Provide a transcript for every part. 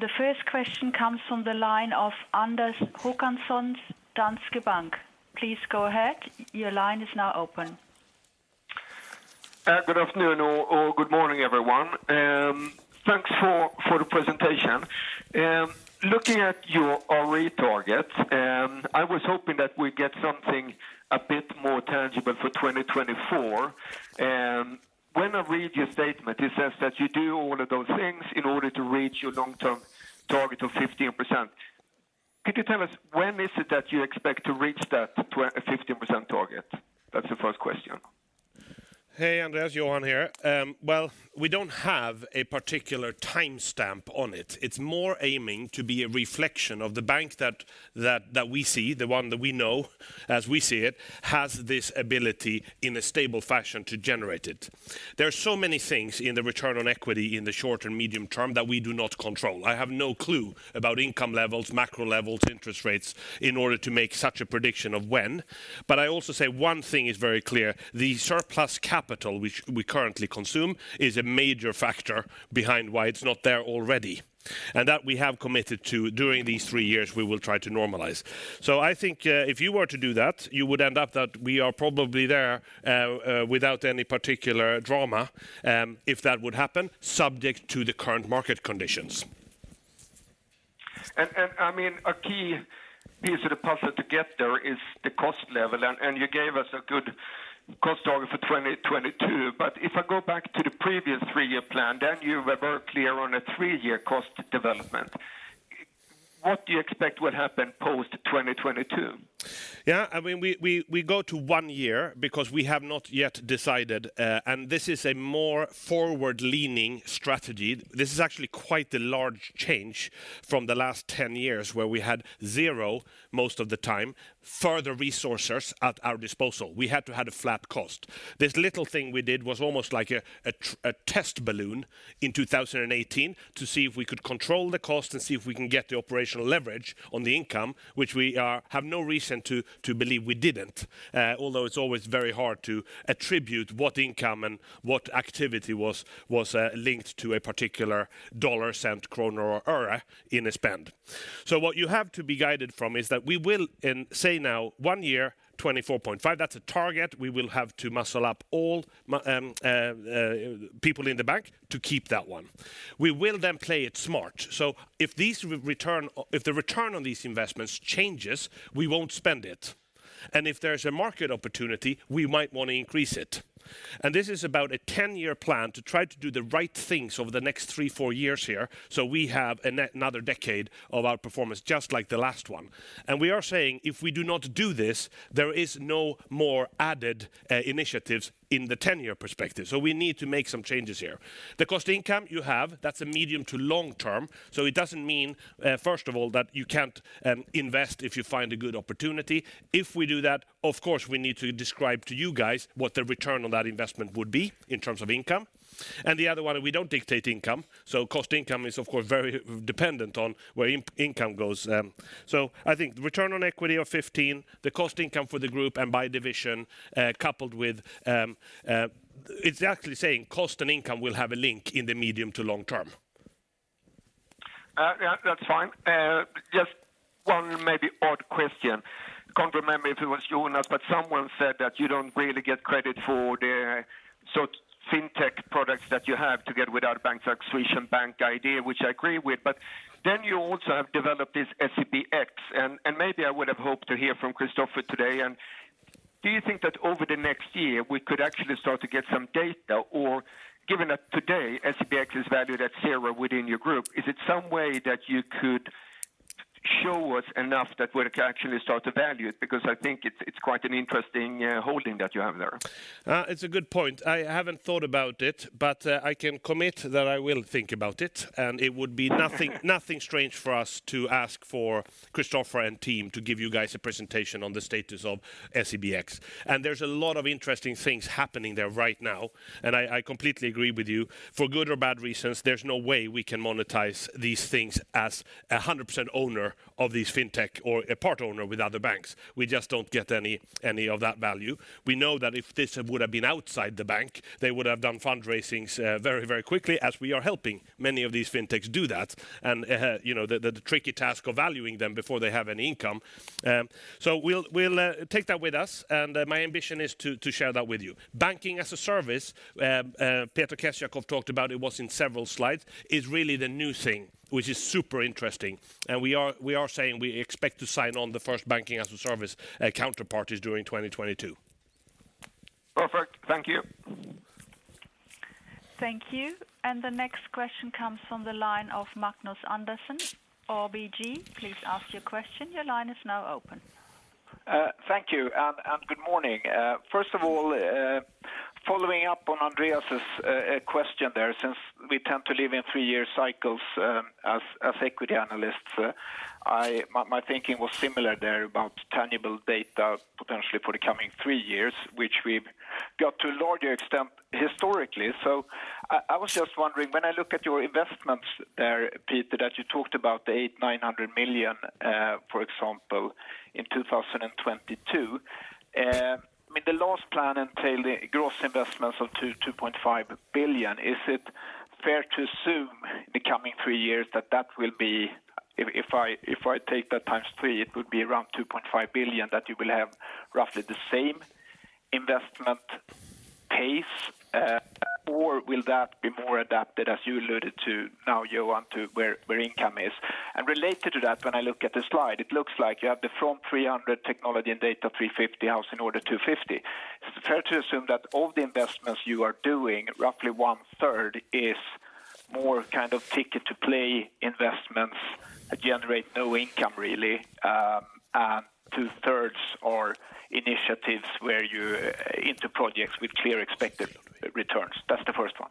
The first question comes from the line of Andreas Håkansson, Danske Bank. Please go ahead. Your line is now open. Good afternoon or good morning, everyone. Thanks for the presentation. Looking at your ROE target, I was hoping that we'd get something a bit more tangible for 2024. When I read your statement, it says that you do all of those things in order to reach your long-term target of 15%. Could you tell us when is it that you expect to reach that 15% target? That's the first question. Hey, Andreas. Johan here. Well, we don't have a particular timestamp on it. It's more aiming to be a reflection of the bank that we see, the one that we know as we see it, has this ability in a stable fashion to generate it. There are so many things in the return on equity in the short and medium term that we do not control. I have no clue about income levels, macro levels, interest rates in order to make such a prediction of when. I also say one thing is very clear. The surplus capital which we currently consume is a major factor behind why it's not there already. That we have committed to during these three years we will try to normalize. I think, if you were to do that, you would end up that we are probably there, without any particular drama, if that would happen, subject to the current market conditions. I mean, a key piece of the puzzle to get there is the cost level and you gave us a good cost target for 2022. If I go back to the previous three-year plan, then you were very clear on a three-year cost development. What do you expect would happen post 2022? Yeah. I mean, we go to one year because we have not yet decided, and this is a more forward-leaning strategy. This is actually quite a large change from the last 10 years where we had zero most of the time, further resources at our disposal. We had to have a flat cost. This little thing we did was almost like a test balloon in 2018 to see if we could control the cost and see if we can get the operational leverage on the income, which we have no reason to believe we didn't. Although it's always very hard to attribute what income and what activity was linked to a particular dollar, cent, kroner or euro in a spend. What you have to be guided from is that we will, in, say, now one year, 24.5 billion. That's a target. We will have to muscle up all people in the bank to keep that one. We will then play it smart. If the return on these investments changes, we won't spend it. If there's a market opportunity, we might want to increase it. This is about a 10-year plan to try to do the right things over the next three, four years here, so we have another decade of outperformance just like the last one. We are saying, if we do not do this, there is no more added initiatives in the 10-year perspective. We need to make some changes here. The cost-income you have, that's a medium- to long-term. It doesn't mean, first of all, that you can't invest if you find a good opportunity. If we do that, of course, we need to describe to you guys what the return on that investment would be in terms of income. The other one, we don't dictate income, so cost-income is of course very dependent on where income goes. I think the return on equity of 15%, the cost-income for the group and by division, coupled with. It's actually saying cost-income will have a link in the medium to long term. Yeah, that's fine. Just one maybe odd question. Can't remember if it was Jonas, but someone said that you don't really get credit for the sort of fintech products that you have together with other banks like Swish and BankID, which I agree with. You also have developed this SEBx, and maybe I would have hoped to hear from Christoffer today. Do you think that over the next year we could actually start to get some data? Or given that today SEBx is valued at zero within your group, is there some way that you could show us enough that we can actually start to value it? Because I think it's quite an interesting holding that you have there. It's a good point. I haven't thought about it, but I can commit that I will think about it. It would be nothing strange for us to ask for Christoffer and team to give you guys a presentation on the status of SEBx. There's a lot of interesting things happening there right now, and I completely agree with you. For good or bad reasons, there's no way we can monetize these things as a 100% owner of these fintech or a part owner with other banks. We just don't get any of that value. We know that if this would have been outside the bank, they would have done fundraisings very quickly as we are helping many of these fintechs do that. You know, the tricky task of valuing them before they have any income. We'll take that with us, and my ambition is to share that with you. Banking as a Service, Peter Kessiakoff talked about it, was in several slides, is really the new thing, which is super interesting. We are saying we expect to sign on the first Banking as a Service counterparties during 2022. Perfect. Thank you. Thank you. The next question comes from the line of Magnus Andersson, ABG. Please ask your question. Your line is now open. Thank you and good morning. First of all, following up on Andreas's question there, since we tend to live in three-year cycles, as equity analysts, my thinking was similar there about tangible data potentially for the coming three years, which we've got to a larger extent historically. I was just wondering, when I look at your investments there, Peter, that you talked about the 800 million-900 million, for example, in 2022 with the last plan until the gross investments of 2.5 billion, is it fair to assume the coming three years that that will be, if I take that times three, it would be around 2.5 billion, that you will have roughly the same investment pace, or will that be more adapted, as you alluded to now, Johan, to where income is? And related to that, when I look at the slide, it looks like you have the front 300 million technology and data 350 million house in order 250 million. Is it fair to assume that all the investments you are doing, roughly 1/3 is more kind of ticket-to-play investments that generate no income really, and 2/3 are initiatives where you're into projects with clear expected returns? That's the first one.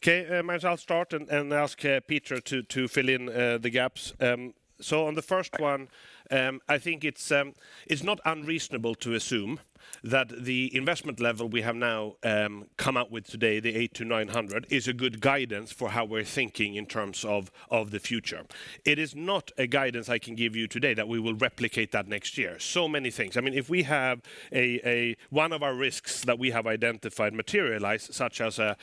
Okay, Magnus, I'll start and ask Peter to fill in the gaps. So, on the first one, I think it's not unreasonable to assume that the investment level we have now come out with today, the 800 million-900 million, is a good guidance for how we're thinking in terms of the future. It is not a guidance I can give you today that we will replicate that next year. Many things. I mean, if we have one of our risks that we have identified materialize, such as a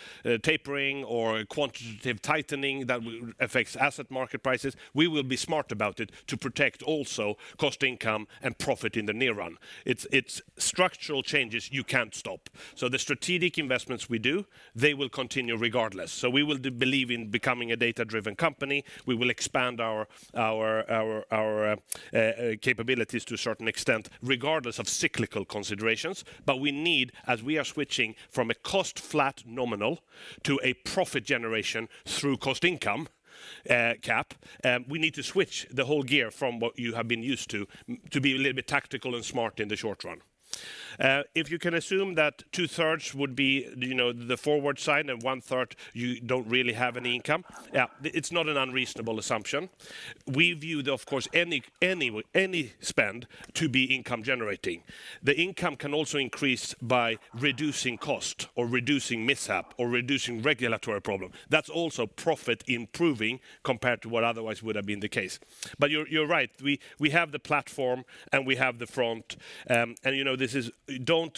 tapering or a quantitative tightening that will affects asset market prices, we will be smart about it to protect also cost-income and profit in the near run. It's structural changes you can't stop. The strategic investments we do, they will continue regardless. We will believe in becoming a data-driven company. We will expand our capabilities to a certain extent regardless of cyclical considerations. We need, as we are switching from a cost-flat nominal to a profit generation through cost-income, we need to switch the whole gear from what you have been used to be a little bit tactical and smart in the short run. If you can assume that 2/3 would be the forward side and 1/3 you don't really have any income, it's not an unreasonable assumption. We view, of course, any spend to be income generating. The income can also increase by reducing cost or reducing mishap or reducing regulatory problem. That's also profit improving compared to what otherwise would have been the case. You're right. We have the platform, and we have the front. You know,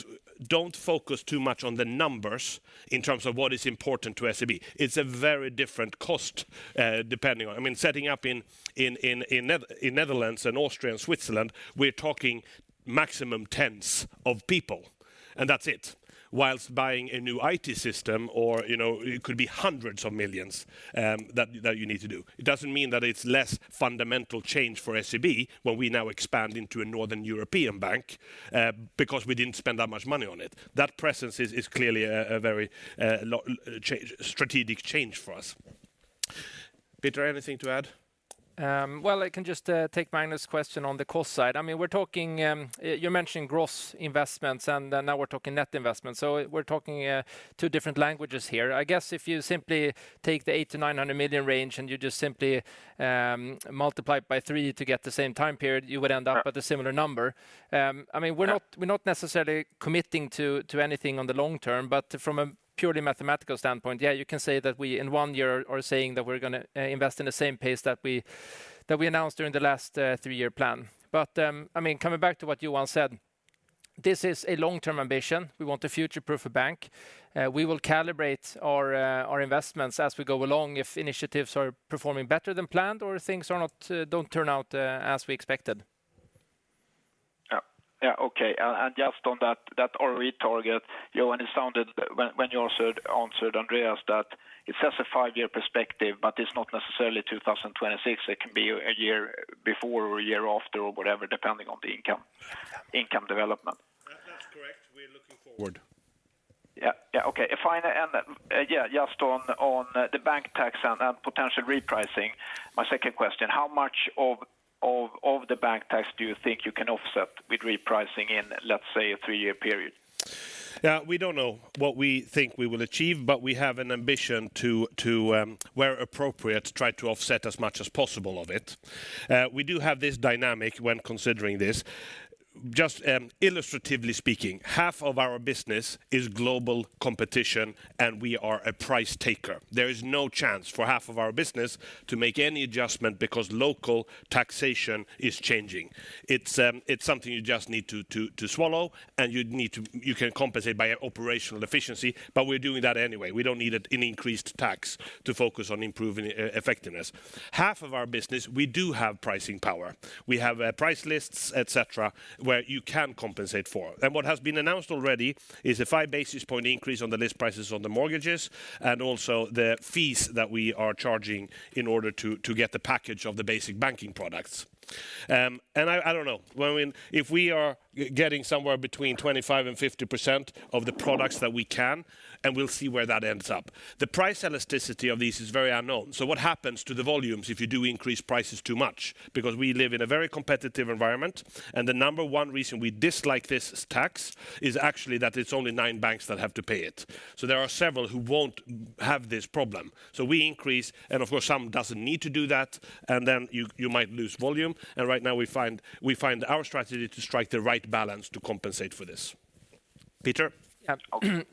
don't focus too much on the numbers in terms of what is important to SEB. It's a very different cost, depending on. I mean, setting up in Netherlands and Austria and Switzerland, we're talking maximum tens of people, and that's it. While buying a new IT system or, you know, it could be hundreds of millions SEK that you need to do. It doesn't mean that it's less fundamental change for SEB when we now expand into a northern European bank, because we didn't spend that much money on it. That presence is clearly a very low-cost strategic change for us. Peter, anything to add? Well, I can just take Magnus' question on the cost side. I mean, we're talking, you're mentioning gross investments, and now we're talking net investments. We're talking two different languages here. I guess if you simply take the 800 million-900 million range and you just simply multiply it by three to get the same time period, you would end up with a similar number. I mean, we're not necessarily committing to anything on the long term. From a purely mathematical standpoint, yeah, you can say that we in one year are saying that we're gonna invest in the same pace that we announced during the last three-year plan. I mean, coming back to what Johan said, this is a long-term ambition. We want a future-proof bank. We will calibrate our investments as we go along if initiatives are performing better than planned or things don't turn out as we expected. Yeah. Okay. Just on that ROE target, Johan, it sounded when you answered Andreas that it sets a five-year perspective, but it's not necessarily 2026. It can be a year before or a year after or whatever, depending on the income development. That, that's correct. We're looking forward. Yeah. Yeah. Okay. If I may add, yeah, just on the bank tax and potential repricing, my second question, how much of the bank tax do you think you can offset with repricing in, let's say, a three-year period? Yeah, we don't know what we think we will achieve, but we have an ambition to where appropriate, try to offset as much as possible of it. We do have this dynamic when considering this. Just illustratively speaking, half of our business is global competition, and we are a price taker. There is no chance for half of our business to make any adjustment because local taxation is changing. It's something you just need to swallow, and you can compensate by operational efficiency, but we're doing that anyway. We don't need an increased tax to focus on improving effectiveness. Half of our business, we do have pricing power. We have price lists, et cetera, where you can compensate for. What has been announced already is a 5 basis points increase on the list prices on the mortgages and also the fees that we are charging in order to get the package of the basic banking products. I don't know. If we are getting somewhere between 25%-50% of the products that we can, and we'll see where that ends up. The price elasticity of these is very unknown. What happens to the volumes if you do increase prices too much? Because we live in a very competitive environment, and the number one reason we dislike this tax is actually that it's only nine banks that have to pay it. There are several who won't have this problem. We increase, and of course, some doesn't need to do that, and then you might lose volume. Right now we find our strategy to strike the right balance to compensate for this. Peter?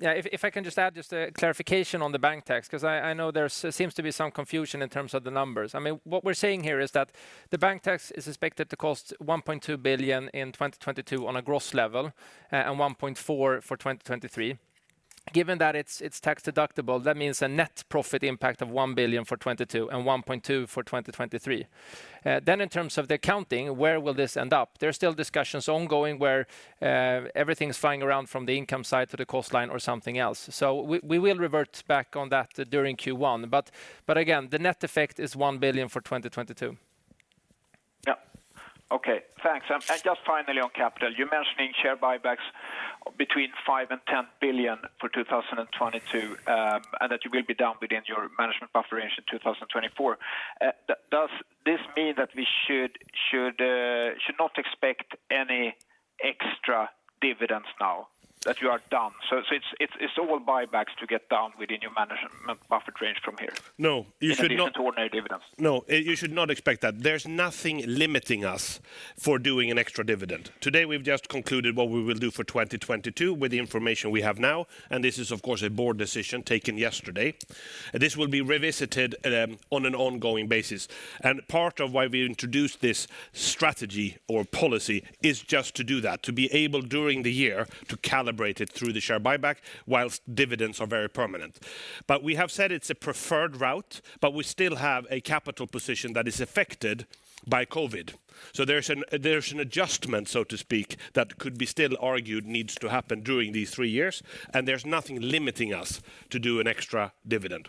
Yeah. If I can just add a clarification on the bank tax, because I know there seems to be some confusion in terms of the numbers. I mean, what we're saying here is that the bank tax is expected to cost 1.2 billion in 2022 on a gross level and 1.4 billion for 2023. Given that it's tax deductible, that means a net profit impact of 1 billion for 2022 and 1.2 billion for 2023. Then in terms of the accounting, where will this end up? There are still discussions ongoing where everything's flying around from the income side to the cost line or something else. We will revert back on that during Q1. But again, the net effect is 1 billion for 2022. Yeah. Okay, thanks. Just finally on capital, you're mentioning share buybacks between 5 billion and 10 billion for 2022, and that you will be down within your management buffer range in 2024. Does this mean that we should not expect any extra dividends now that you are down? It's all buybacks to get down within your management buffer range from here. No, you should not. In addition to ordinary dividends. No, you should not expect that. There's nothing limiting us for doing an extra dividend. Today, we've just concluded what we will do for 2022 with the information we have now, and this is of course a board decision taken yesterday. This will be revisited on an ongoing basis. Part of why we introduced this strategy or policy is just to do that, to be able during the year to calibrate it through the share buyback whilst dividends are very permanent. We have said it's a preferred route, but we still have a capital position that is affected by COVID. There's an adjustment, so to speak, that could be still argued needs to happen during these three years, and there's nothing limiting us to do an extra dividend.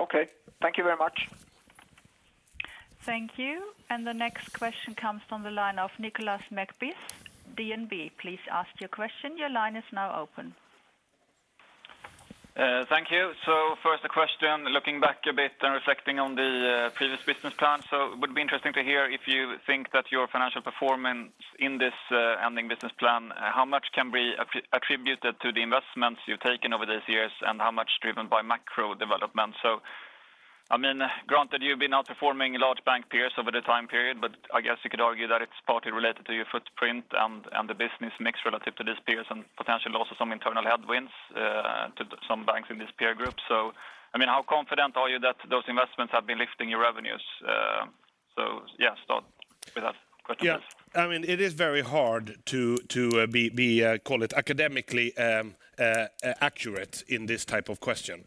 Okay. Thank you very much. Thank you. The next question comes from the line of Nicolas McBeath, DNB. Please ask your question. Your line is now open. Thank you. First, a question, looking back a bit and reflecting on the previous business plan. It would be interesting to hear if you think that your financial performance in this ending business plan, how much can be attributed to the investments you've taken over these years and how much driven by macro developments? I mean, granted, you've been outperforming large bank peers over the time period, but I guess you could argue that it's partly related to your footprint and the business mix relative to these peers and potentially also some internal headwinds to some banks in this peer group. I mean, how confident are you that those investments have been lifting your revenues? Yeah, start with that question. Yeah. I mean, it is very hard to call it academically accurate in this type of question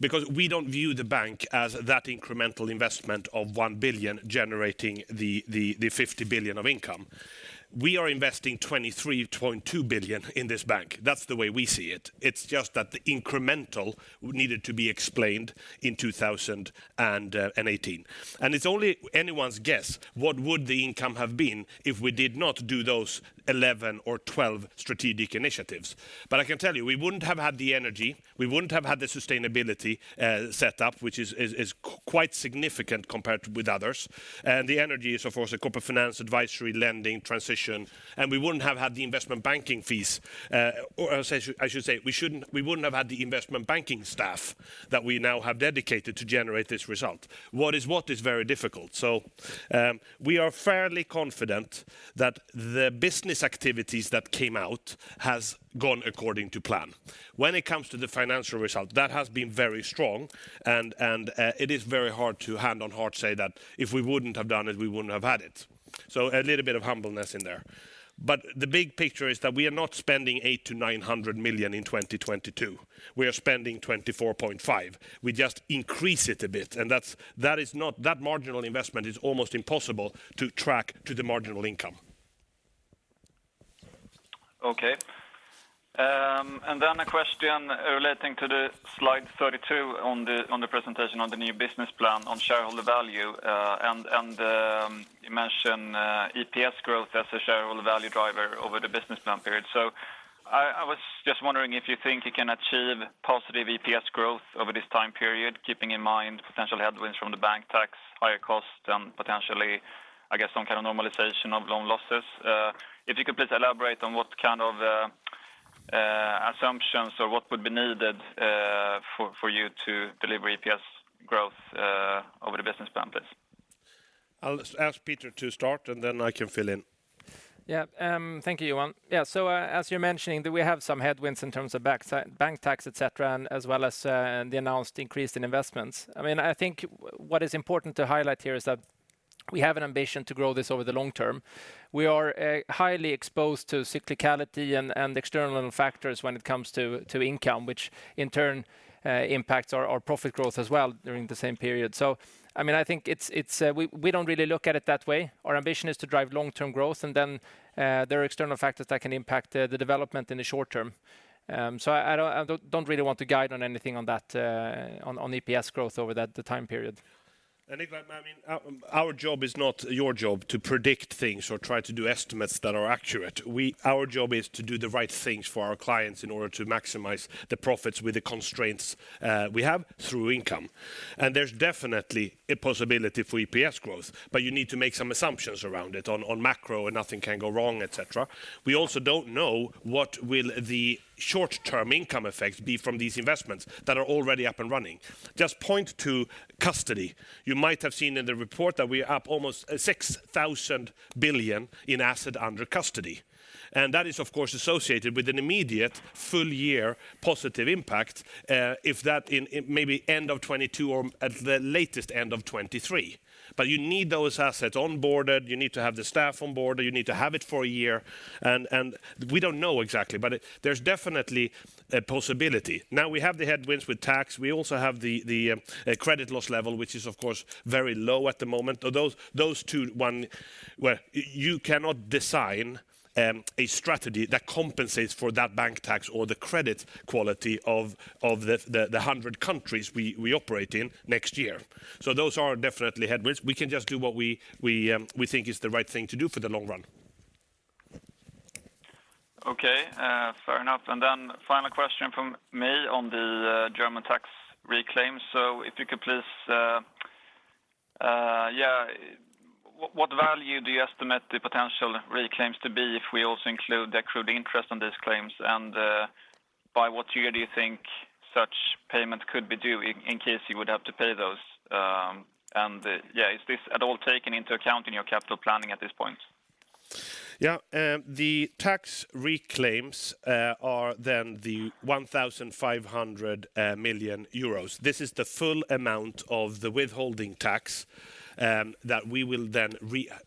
because we don't view the bank as that incremental investment of 1 billion generating the 50 billion of income. We are investing 23.2 billion in this bank. That's the way we see it. It's just that the incremental needed to be explained in 2018. It's only anyone's guess what the income would have been if we did not do those 11 or 12 strategic initiatives. I can tell you, we wouldn't have had the energy, we wouldn't have had the sustainability set up, which is quite significant compared with others. The energy is, of course, a couple of finance advisory lending transition, and we wouldn't have had the investment banking fees. We wouldn't have had the investment banking staff that we now have dedicated to generate this result. What is very difficult. We are fairly confident that the business activities that came out has gone according to plan. When it comes to the financial result, that has been very strong and it is very hard to hand-on-heart say that if we wouldn't have done it, we wouldn't have had it. A little bit of humbleness in there. The big picture is that we are not spending 800 million-900 million in 2022. We are spending 24.5 billion. We just increase it a bit. That marginal investment is almost impossible to track to the marginal income. Okay. A question relating to the slide 32 on the presentation on the new business plan on shareholder value. You mentioned EPS growth as a shareholder value driver over the business plan period. I was just wondering if you think you can achieve positive EPS growth over this time period, keeping in mind potential headwinds from the bank tax, higher cost, and potentially, I guess, some kind of normalization of loan losses. If you could please elaborate on what kind of assumptions or what would be needed for you to deliver EPS growth over the business plan please. I'll ask Peter to start, and then I can fill in. Thank you, Johan. As you're mentioning, we have some headwinds in terms of bank tax, et cetera, and as well as the announced increase in investments. I mean, I think what is important to highlight here is that we have an ambition to grow this over the long term. We are highly exposed to cyclicality and external factors when it comes to income, which in turn impacts our profit growth as well during the same period. I mean, I think we don't really look at it that way. Our ambition is to drive long-term growth, and then there are external factors that can impact the development in the short term. I don't really want to guide on anything on that, on EPS growth over that, the time period. Nicolas, I mean, our job is not your job to predict things or try to do estimates that are accurate. Our job is to do the right things for our clients in order to maximize the profits with the constraints we have through income. There's definitely a possibility for EPS growth, but you need to make some assumptions around it on macro, and nothing can go wrong, et cetera. We also don't know what the short-term income effect will be from these investments that are already up and running. Just point to custody. You might have seen in the report that we're up almost 6,000 billion in assets under custody. That is, of course, associated with an immediate full year positive impact, if that in maybe end of 2022 or at the latest end of 2023. You need those assets onboarded, you need to have the staff onboarded, you need to have it for a year. We don't know exactly, but there's definitely a possibility. Now we have the headwinds with tax. We also have the credit loss level, which is of course very low at the moment. Those two, one—Well, you cannot design a strategy that compensates for that bank tax or the credit quality of the 100 countries we operate in next year. Those are definitely headwinds. We can just do what we think is the right thing to do for the long run. Okay, fair enough. Final question from me on the German tax reclaims. If you could please, what value do you estimate the potential reclaims to be if we also include the accrued interest on these claims? By what year do you think such payment could be due in case you would have to pay those? Is this at all taken into account in your capital planning at this point? Yeah, the tax reclaims are then 1,500 million euros. This is the full amount of the withholding tax that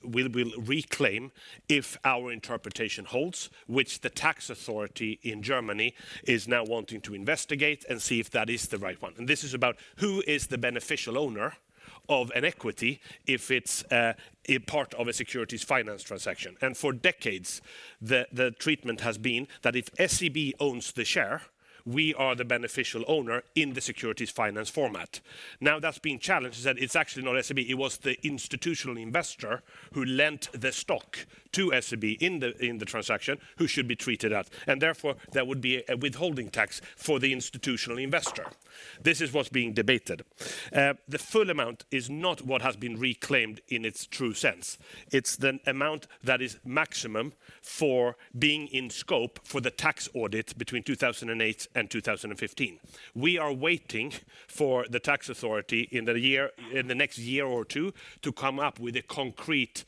we'll reclaim if our interpretation holds, which the tax authority in Germany is now wanting to investigate and see if that is the right one. This is about who is the beneficial owner of an equity if it's a part of a securities financing transaction. For decades, the treatment has been that if SEB owns the share, we are the beneficial owner in the securities financing format. Now that's being challenged, is that it's actually not SEB, it was the institutional investor who lent the stock to SEB in the transaction who should be treated as. Therefore, that would be a withholding tax for the institutional investor. This is what's being debated. The full amount is not what has been reclaimed in its true sense. It's the amount that is maximum for being in scope for the tax audit between 2008 and 2015. We are waiting for the tax authority in the next year or two to come up with a concrete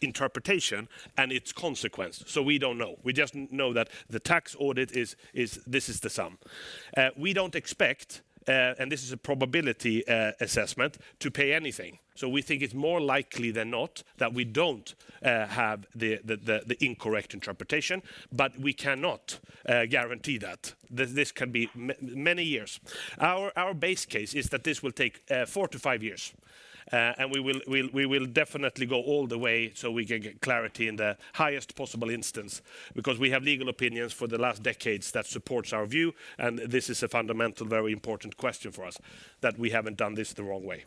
interpretation and its consequence. We don't know. We just know that this is the sum. We don't expect, and this is a probability assessment, to pay anything. We think it's more likely than not that we don't have the incorrect interpretation, but we cannot guarantee that. This can be many years. Our base case is that this will take 4-5 years, and we will definitely go all the way so we can get clarity in the highest possible instance because we have legal opinions for the last decades that supports our view, and this is a fundamental, very important question for us, that we haven't done this the wrong way.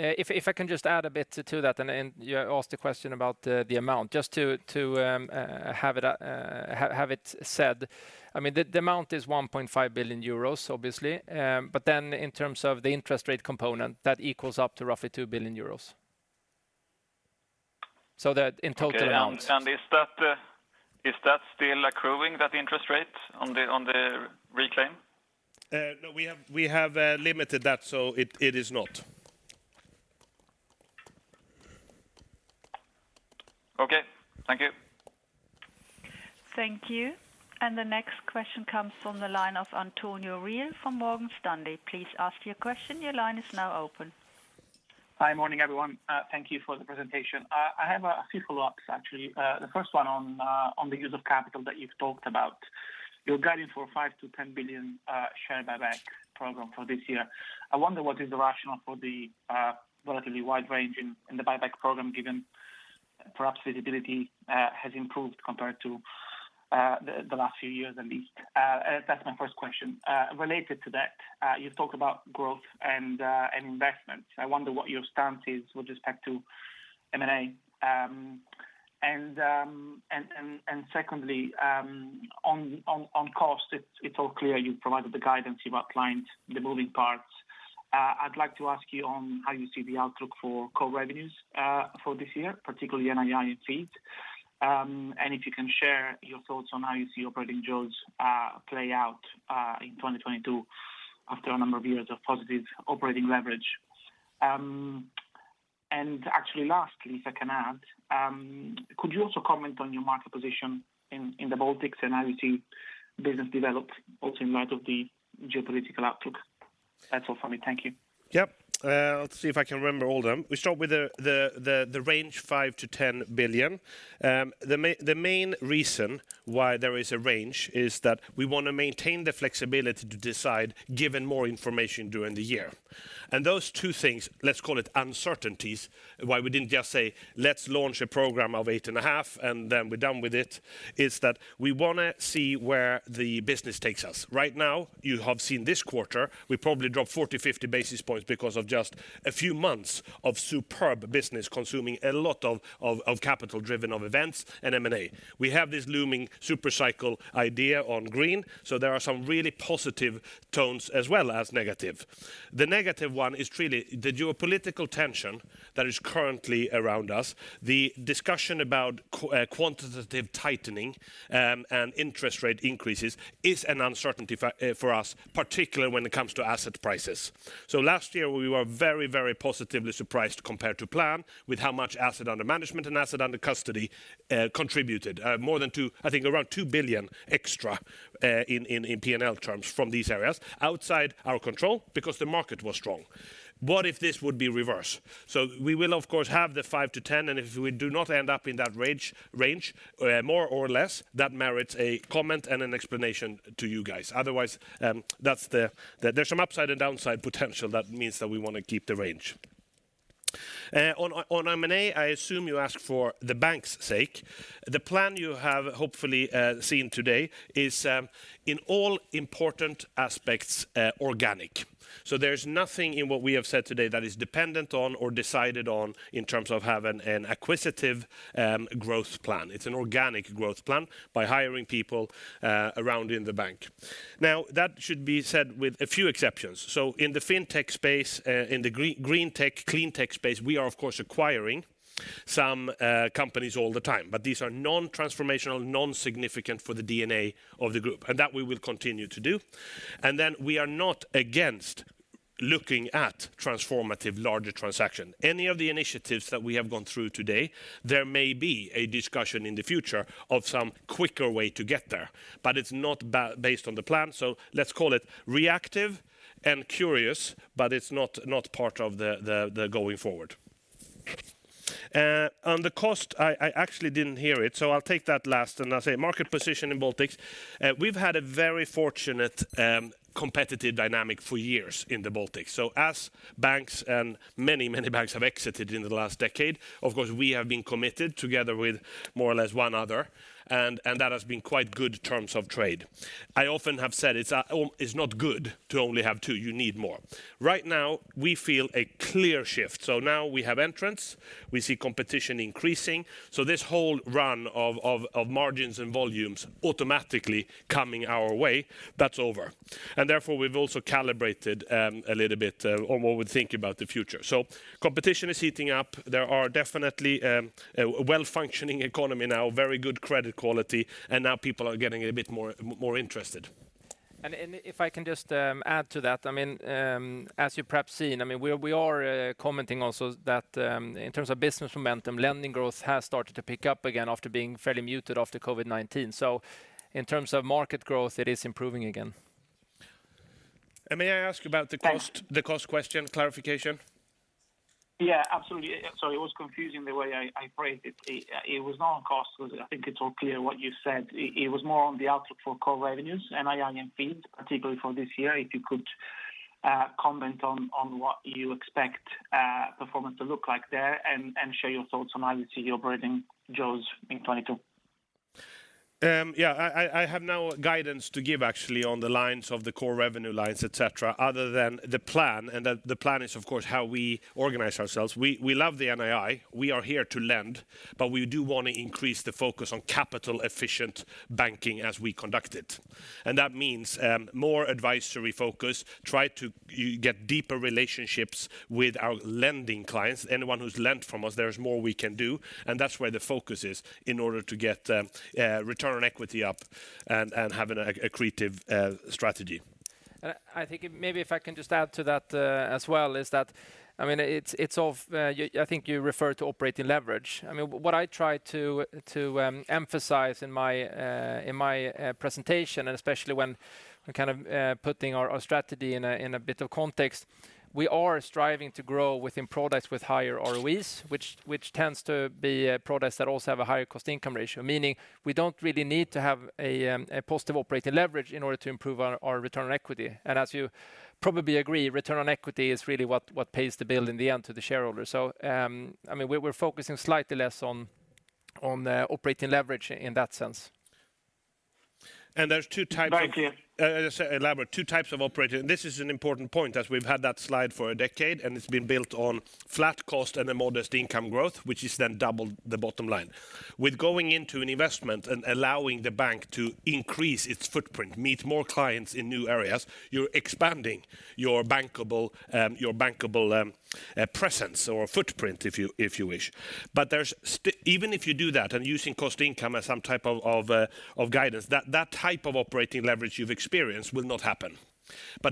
If I can just add a bit to that and you asked the question about the amount. Just to have it said, I mean, the amount is 1.5 billion euros, obviously. In terms of the interest rate component, that equals up to roughly 2 billion euros. That in total amounts- Okay. Is that still accruing that interest rate on the reclaim? No, we have limited that, so it is not. Okay. Thank you. Thank you. The next question comes from the line of Antonio Reale from Morgan Stanley. Please ask your question. Your line is now open. Hi, morning, everyone. Thank you for the presentation. I have a few follow-ups, actually. The first one on the use of capital that you've talked about. Your guidance for a 5 billion-10 billion share buyback program for this year. I wonder what is the rationale for the relatively wide range in the buyback program, given perhaps visibility has improved compared to the last few years at least. That's my first question. Related to that, you've talked about growth and investment. I wonder what your stance is with respect to M&A. Secondly, on cost, it's all clear you've provided the guidance, you've outlined the moving parts. I'd like to ask you on how you see the outlook for core revenues, for this year, particularly NII and fees. If you can share your thoughts on how you see operating jaws play out in 2022 after a number of years of positive operating leverage. Actually lastly, if I can add, could you also comment on your market position in the Baltics and how you see business develop also in light of the geopolitical outlook? That's all for me. Thank you. Yep. Let's see if I can remember all them. We start with the range 5 billion-10 billion. The main reason why there is a range is that we want to maintain the flexibility to decide given more information during the year. Those two things, let's call it uncertainties, why we didn't just say, "Let's launch a program of 8.5 billion, and then we're done with it," is that we want to see where the business takes us. Right now, you have seen this quarter, we probably dropped 40 basis points-50 basis points because of just a few months of superb business consuming a lot of capital driven by events and M&A. We have this looming super cycle idea on green, so there are some really positive tones as well as negative. The negative one is really the geopolitical tension that is currently around us. The discussion about quantitative tightening and interest rate increases is an uncertainty factor for us, particularly when it comes to asset prices. Last year, we were very, very positively surprised compared to plan with how much asset under management and asset under custody contributed. More than 2 billion—I think around 2 billion extra in P&L terms from these areas outside our control because the market was strong. What if this would be reverse? We will of course have the 5 billion-10 billion, and if we do not end up in that range more or less, that merits a comment and an explanation to you guys. Otherwise, that's it. There's some upside and downside potential that means that we want to keep the range. On M&A, I assume you ask for the bank's sake. The plan you have hopefully seen today is in all important aspects organic. There's nothing in what we have said today that is dependent on or decided on in terms of having an acquisitive growth plan. It's an organic growth plan by hiring people around in the bank. Now, that should be said with a few exceptions. In the fintech space, in the green tech, clean tech space, we are of course acquiring some companies all the time, but these are non-transformational, non-significant for the D&A of the group, and that we will continue to do. We are not against looking at transformative larger transaction. Any of the initiatives that we have gone through today, there may be a discussion in the future of some quicker way to get there, but it's not based on the plan. Let's call it reactive and curious, but it's not part of the going forward. On the cost, I actually didn't hear it, so I'll take that last and I'll say market position in Baltics. We've had a very fortunate competitive dynamic for years in the Baltics. As banks and many banks have exited in the last decade, of course, we have been committed together with more or less one another, and that has been quite good terms of trade. I often have said it's not good to only have two, you need more. Right now, we feel a clear shift. Now we have entrants, we see competition increasing, this whole run of margins and volumes automatically coming our way, that's over. Therefore, we've also calibrated a little bit on what we think about the future. Competition is heating up. There are definitely a well-functioning economy now, very good credit quality, and now people are getting a bit more interested. If I can just add to that. I mean, as you've perhaps seen, I mean, we are commenting also that in terms of business momentum, lending growth has started to pick up again after being fairly muted after COVID-19. In terms of market growth, it is improving again. May I ask about the cost, the cost question clarification? Yeah, absolutely. Sorry, it was confusing the way I phrased it. It was not on cost, because I think it's all clear what you said. It was more on the outlook for core revenues, NII and fees, particularly for this year. If you could comment on what you expect performance to look like there and share your thoughts on how you see your operating jaws in 2022. Yeah. I have no guidance to give actually on the lines of the core revenue lines, et cetera, other than the plan, and the plan is of course how we organize ourselves. We love the NII, we are here to lend, but we do wanna increase the focus on capital-efficient banking as we conduct it. That means more advisory focus, try to get deeper relationships with our lending clients. Anyone who's lent from us, there's more we can do. That's where the focus is in order to get return on equity up and have an accretive strategy. I think maybe if I can just add to that, as well, is that, I mean, it's of, I think you refer to operating leverage. I mean, what I try to emphasize in my presentation, and especially when we're kind of putting our strategy in a bit of context, we are striving to grow within products with higher ROEs, which tends to be products that also have a higher cost-income ratio, meaning we don't really need to have a positive operating leverage in order to improve our return on equity. As you probably agree, return on equity is really what pays the bill in the end to the shareholder. I mean, we're focusing slightly less on the operating leverage in that sense. There’s two types of- Thank you. As I say, elaborate. Two types of operating leverage. This is an important point, as we've had that slide for a decade, and it's been built on flat cost and a modest income growth, which is then double the bottom line. With going into an investment and allowing the bank to increase its footprint, meet more clients in new areas, you're expanding your bankable presence or footprint if you wish. Even if you do that and using cost income as some type of guidance, that type of operating leverage you've experienced will not happen.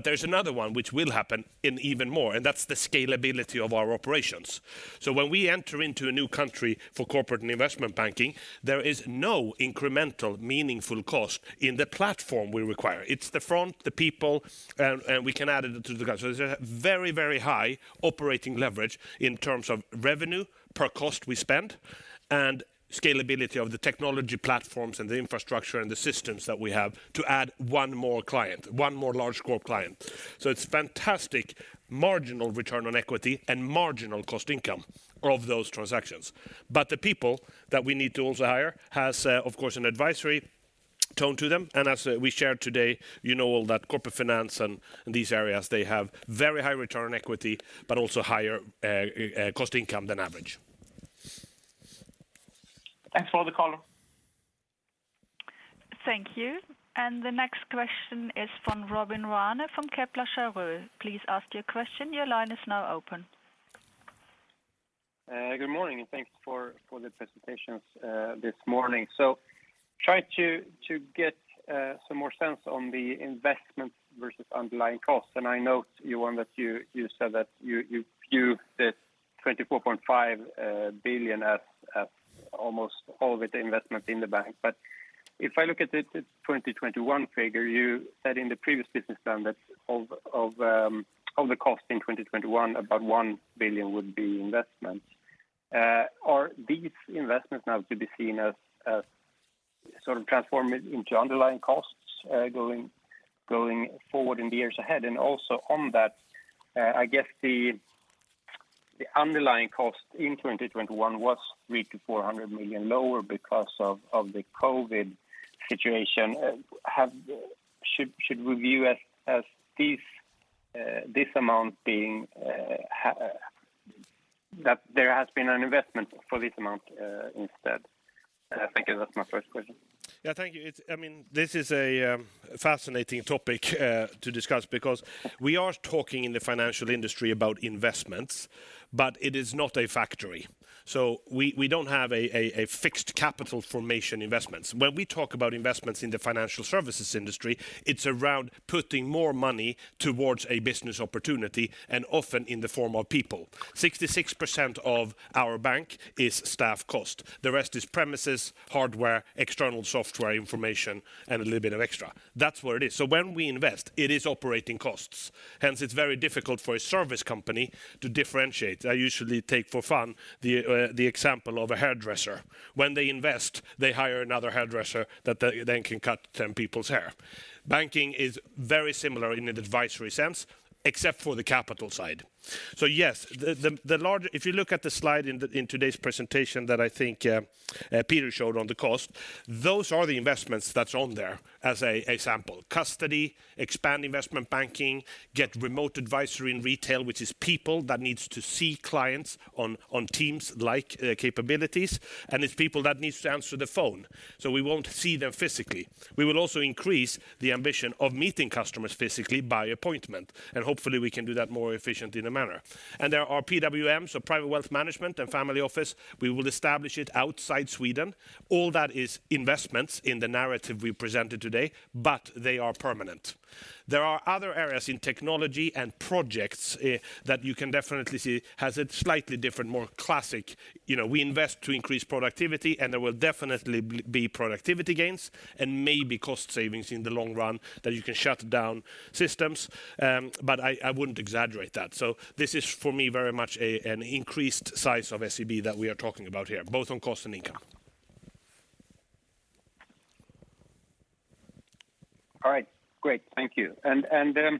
There's another one which will happen in even more, and that's the scalability of our operations. When we enter into a new country for corporate and investment banking, there is no incremental, meaningful cost in the platform we require. It's the front, the people, and we can add it to the guide. There's a very, very high operating leverage in terms of revenue-per-cost we spend and scalability of the technology platforms and the infrastructure and the systems that we have to add one more client, one more large core client. It's fantastic marginal return on equity and marginal cost income of those transactions. The people that we need to also hire has, of course, an advisory-tone to them. As we shared today, you know well that corporate finance and these areas, they have very high return equity, but also higher cost-income than average. Thanks for the call. Thank you. The next question is from Robin Rane from Kepler Cheuvreux. Please ask your question. Your line is now open. Good morning, and thanks for the presentations this morning. Try to get some more sense on the investment versus underlying costs. I note, Johan, that you said that you view the 24.5 billion as almost all of it investment in the bank. If I look at the 2021 figure, you said in the previous business round that of the cost in 2021, about 1 billion would be investment. Are these investments now to be seen as sort of transforming into underlying costs going forward in the years ahead? Also on that, I guess the underlying cost in 2021 was 300 million-400 million lower because of the COVID situation. Should we view as this amount being that there has been an investment for this amount instead? Thank you. That's my first question. Yeah, thank you. I mean, this is a fascinating topic to discuss because we are talking in the financial industry about investments, but it is not a factory. We don't have a fixed capital formation investments. When we talk about investments in the financial services industry, it's around putting more money towards a business opportunity and often in the form of people. 66% of our bank is staff cost. The rest is premises, hardware, external software information, and a little bit of extra. That's what it is. When we invest, it is operating costs. Hence, it's very difficult for a service company to differentiate. I usually take for fun the example of a Hairdresser. When they invest, they hire another Hairdresser that then can cut 10 people's hair. Banking is very similar in an advisory sense, except for the capital side. Yes, if you look at the slide in today's presentation that I think Peter showed on the cost, those are the investments that are on there as an example. Custody, expand investment banking, get remote-advisory in retail, which is people that need to see clients on Teams-like capabilities, and it's people that need to answer the phone, so we won't see them physically. We will also increase the ambition of meeting customers physically by appointment, and hopefully we can do that more efficient in a manner. There are PWM, so Private Wealth Management and Family Office. We will establish it outside Sweden. All that is investments in the narrative we presented today, but they are permanent. There are other areas in technology and projects that you can definitely see has a slightly different, more classic, you know, we invest to increase productivity, and there will definitely be productivity gains and maybe cost savings in the long run that you can shut down systems. I wouldn't exaggerate that. This is, for me, very much an increased size of SEB that we are talking about here, both on cost and income. All right. Great. Thank you. To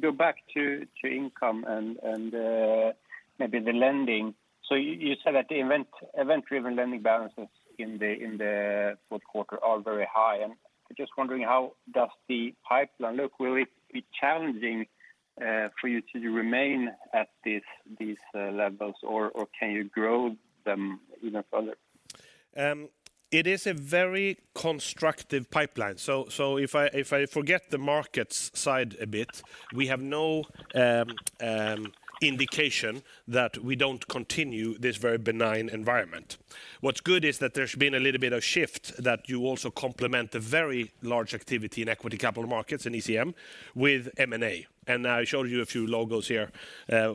go back to income and maybe the lending, you said that the event-driven lending balances in the fourth quarter are very high. I'm just wondering, how does the pipeline look? Will it be challenging for you to remain at these levels, or can you grow them even further? It is a very constructive pipeline. If I forget the markets side a bit, we have no indication that we don't continue this very benign environment. What's good is that there's been a little bit of shift that you also complement the very large activity in Equity Capital Markets, in ECM, with M&A. I showed you a few logos here,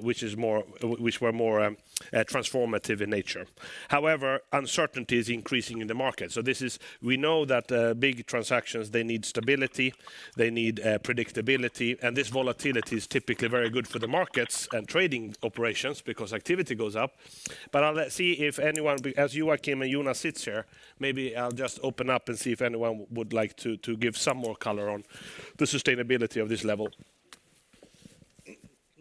which were more transformative in nature. However, uncertainty is increasing in the market. We know that big transactions need stability, they need predictability, and this volatility is typically very good for the markets and trading operations because activity goes up. Let's see if anyone be, as Joachim and Jonas sit here, maybe I'll just open up and see if anyone would like to give some more color on the sustainability of this level.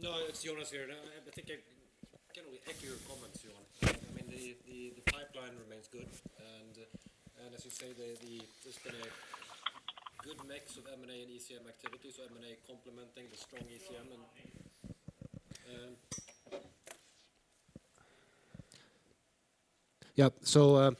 No, it's Jonas here. Generally, thank you for your comments, Johan. I mean, the pipeline remains good. As you say, there's been a good mix of M&A and ECM activities, so M&A complementing the strong ECM. Yeah.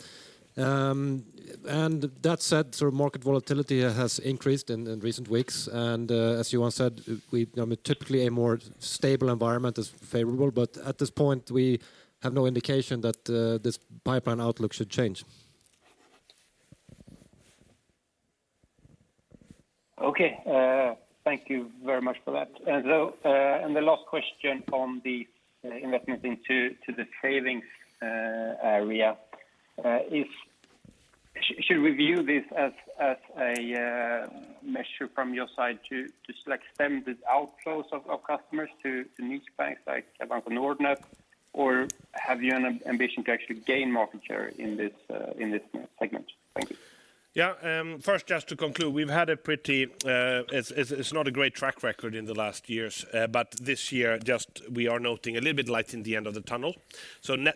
That said, sort of market volatility has increased in recent weeks. As Johan said, I mean, typically a more stable environment is favorable, but at this point, we have no indication that this pipeline outlook should change. Okay. Thank you very much for that. The last question on the investments into the retail area is, should we view this as a measure from your side to stem the outflows of customers to niche banks like Nordnet? Or have you an ambition to actually gain market share in this segment? Thank you. First, just to conclude, we've had a pretty, it's not a great track record in the last years, but this year just we are noting a little bit light in the end of the tunnel.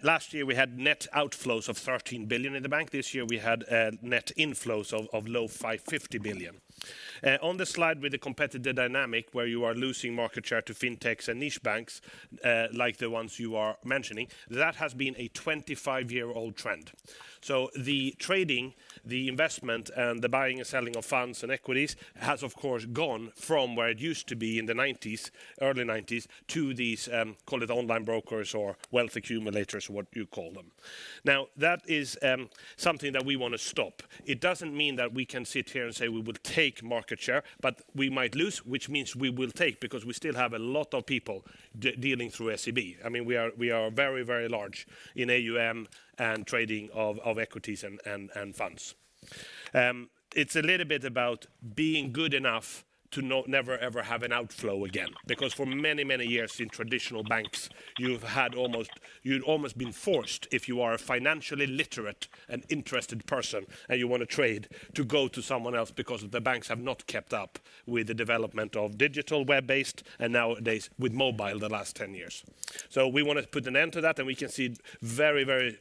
Last year, we had net outflows of 13 billion in the bank. This year, we had net inflows of 0.55 billion. On the slide with the competitive dynamic where you are losing market share to fintechs and niche banks, like the ones you are mentioning, that has been a 25-year-old trend. The trading, the investment, and the buying and selling of funds and equities has of course gone from where it used to be in the 1990s, early 1990s, to these, call it online brokers or wealth accumulators, what you call them. Now, that is something that we want to stop. It doesn't mean that we can sit here and say we will take market share, but we might lose, which means we will take because we still have a lot of people dealing through SEB. I mean, we are very, very large in AUM and trading of equities and funds. It's a little bit about being good enough to never ever have an outflow again. Because for many years in traditional banks, you've almost been forced if you are a financially literate and interested person, and you want to trade to go to someone else because the banks have not kept up with the development of digital web-based and nowadays with mobile the last 10 years. We want to put an end to that, and we can see very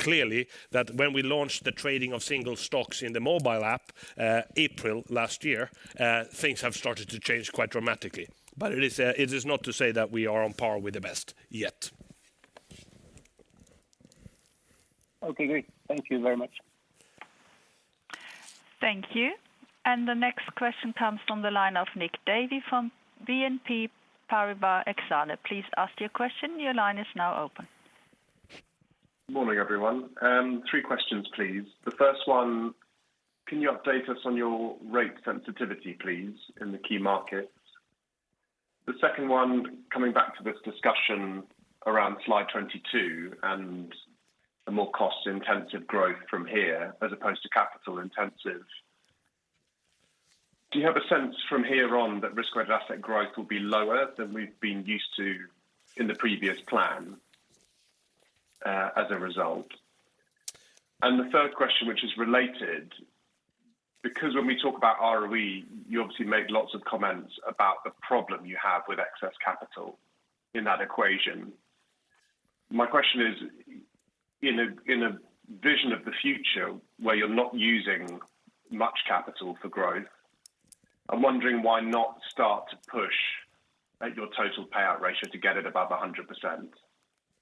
clearly that when we launched the trading of single stocks in the mobile app, April last year, things have started to change quite dramatically. It is not to say that we are on par with the best yet. Okay, great. Thank you very much. Thank you. The next question comes from the line of Nick Davey from BNP Paribas Exane. Please ask your question. Your line is now open. Morning, everyone. Three questions, please. The first one, can you update us on your rate sensitivity, please, in the key markets? The second one, coming back to this discussion around slide 22 and the more cost-intensive growth from here as opposed to capital-intensive, do you have a sense from here on that risk-adjusted asset growth will be lower than we've been used to in the previous plan, as a result? The third question, which is related, because when we talk about ROE, you obviously made lots of comments about the problem you have with excess capital in that equation. My question is, in a vision of the future where you're not using much capital for growth, I'm wondering why not start to push at your total payout ratio to get it above 100%.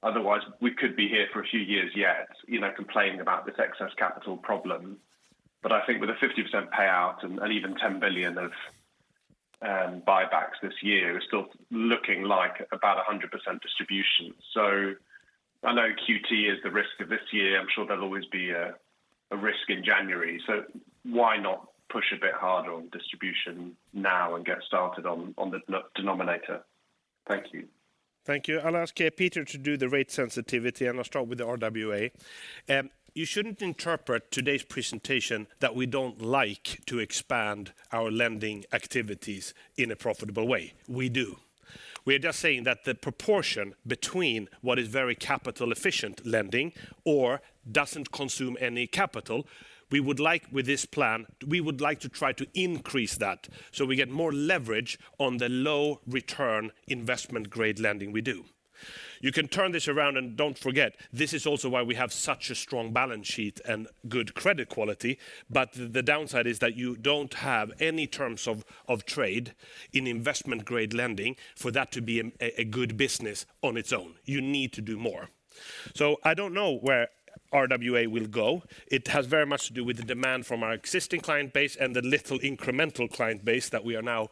Otherwise, we could be here for a few years yet, you know, complaining about this excess capital problem. I think with a 50% payout and even 10 billion of buybacks this year, it's still looking like about 100% distribution. I know QT is the risk of this year. I'm sure there'll always be a risk in January. Why not push a bit harder on distribution now and get started on the denominator? Thank you. Thank you. I'll ask Peter to do the rate sensitivity, and I'll start with the RWA. You shouldn't interpret today's presentation that we don't like to expand our lending activities in a profitable way. We do. We're just saying that the proportion between what is very capital efficient lending or doesn't consume any capital, we would like with this plan, we would like to try to increase that so we get more leverage on the low return investment grade lending we do. You can turn this around, and don't forget, this is also why we have such a strong balance sheet and good credit quality. But the downside is that you don't have any terms of trade in investment grade lending for that to be a good business on its own. You need to do more. I don't know where RWA will go. It has very much to do with the demand from our existing client base and the little incremental client base that we are now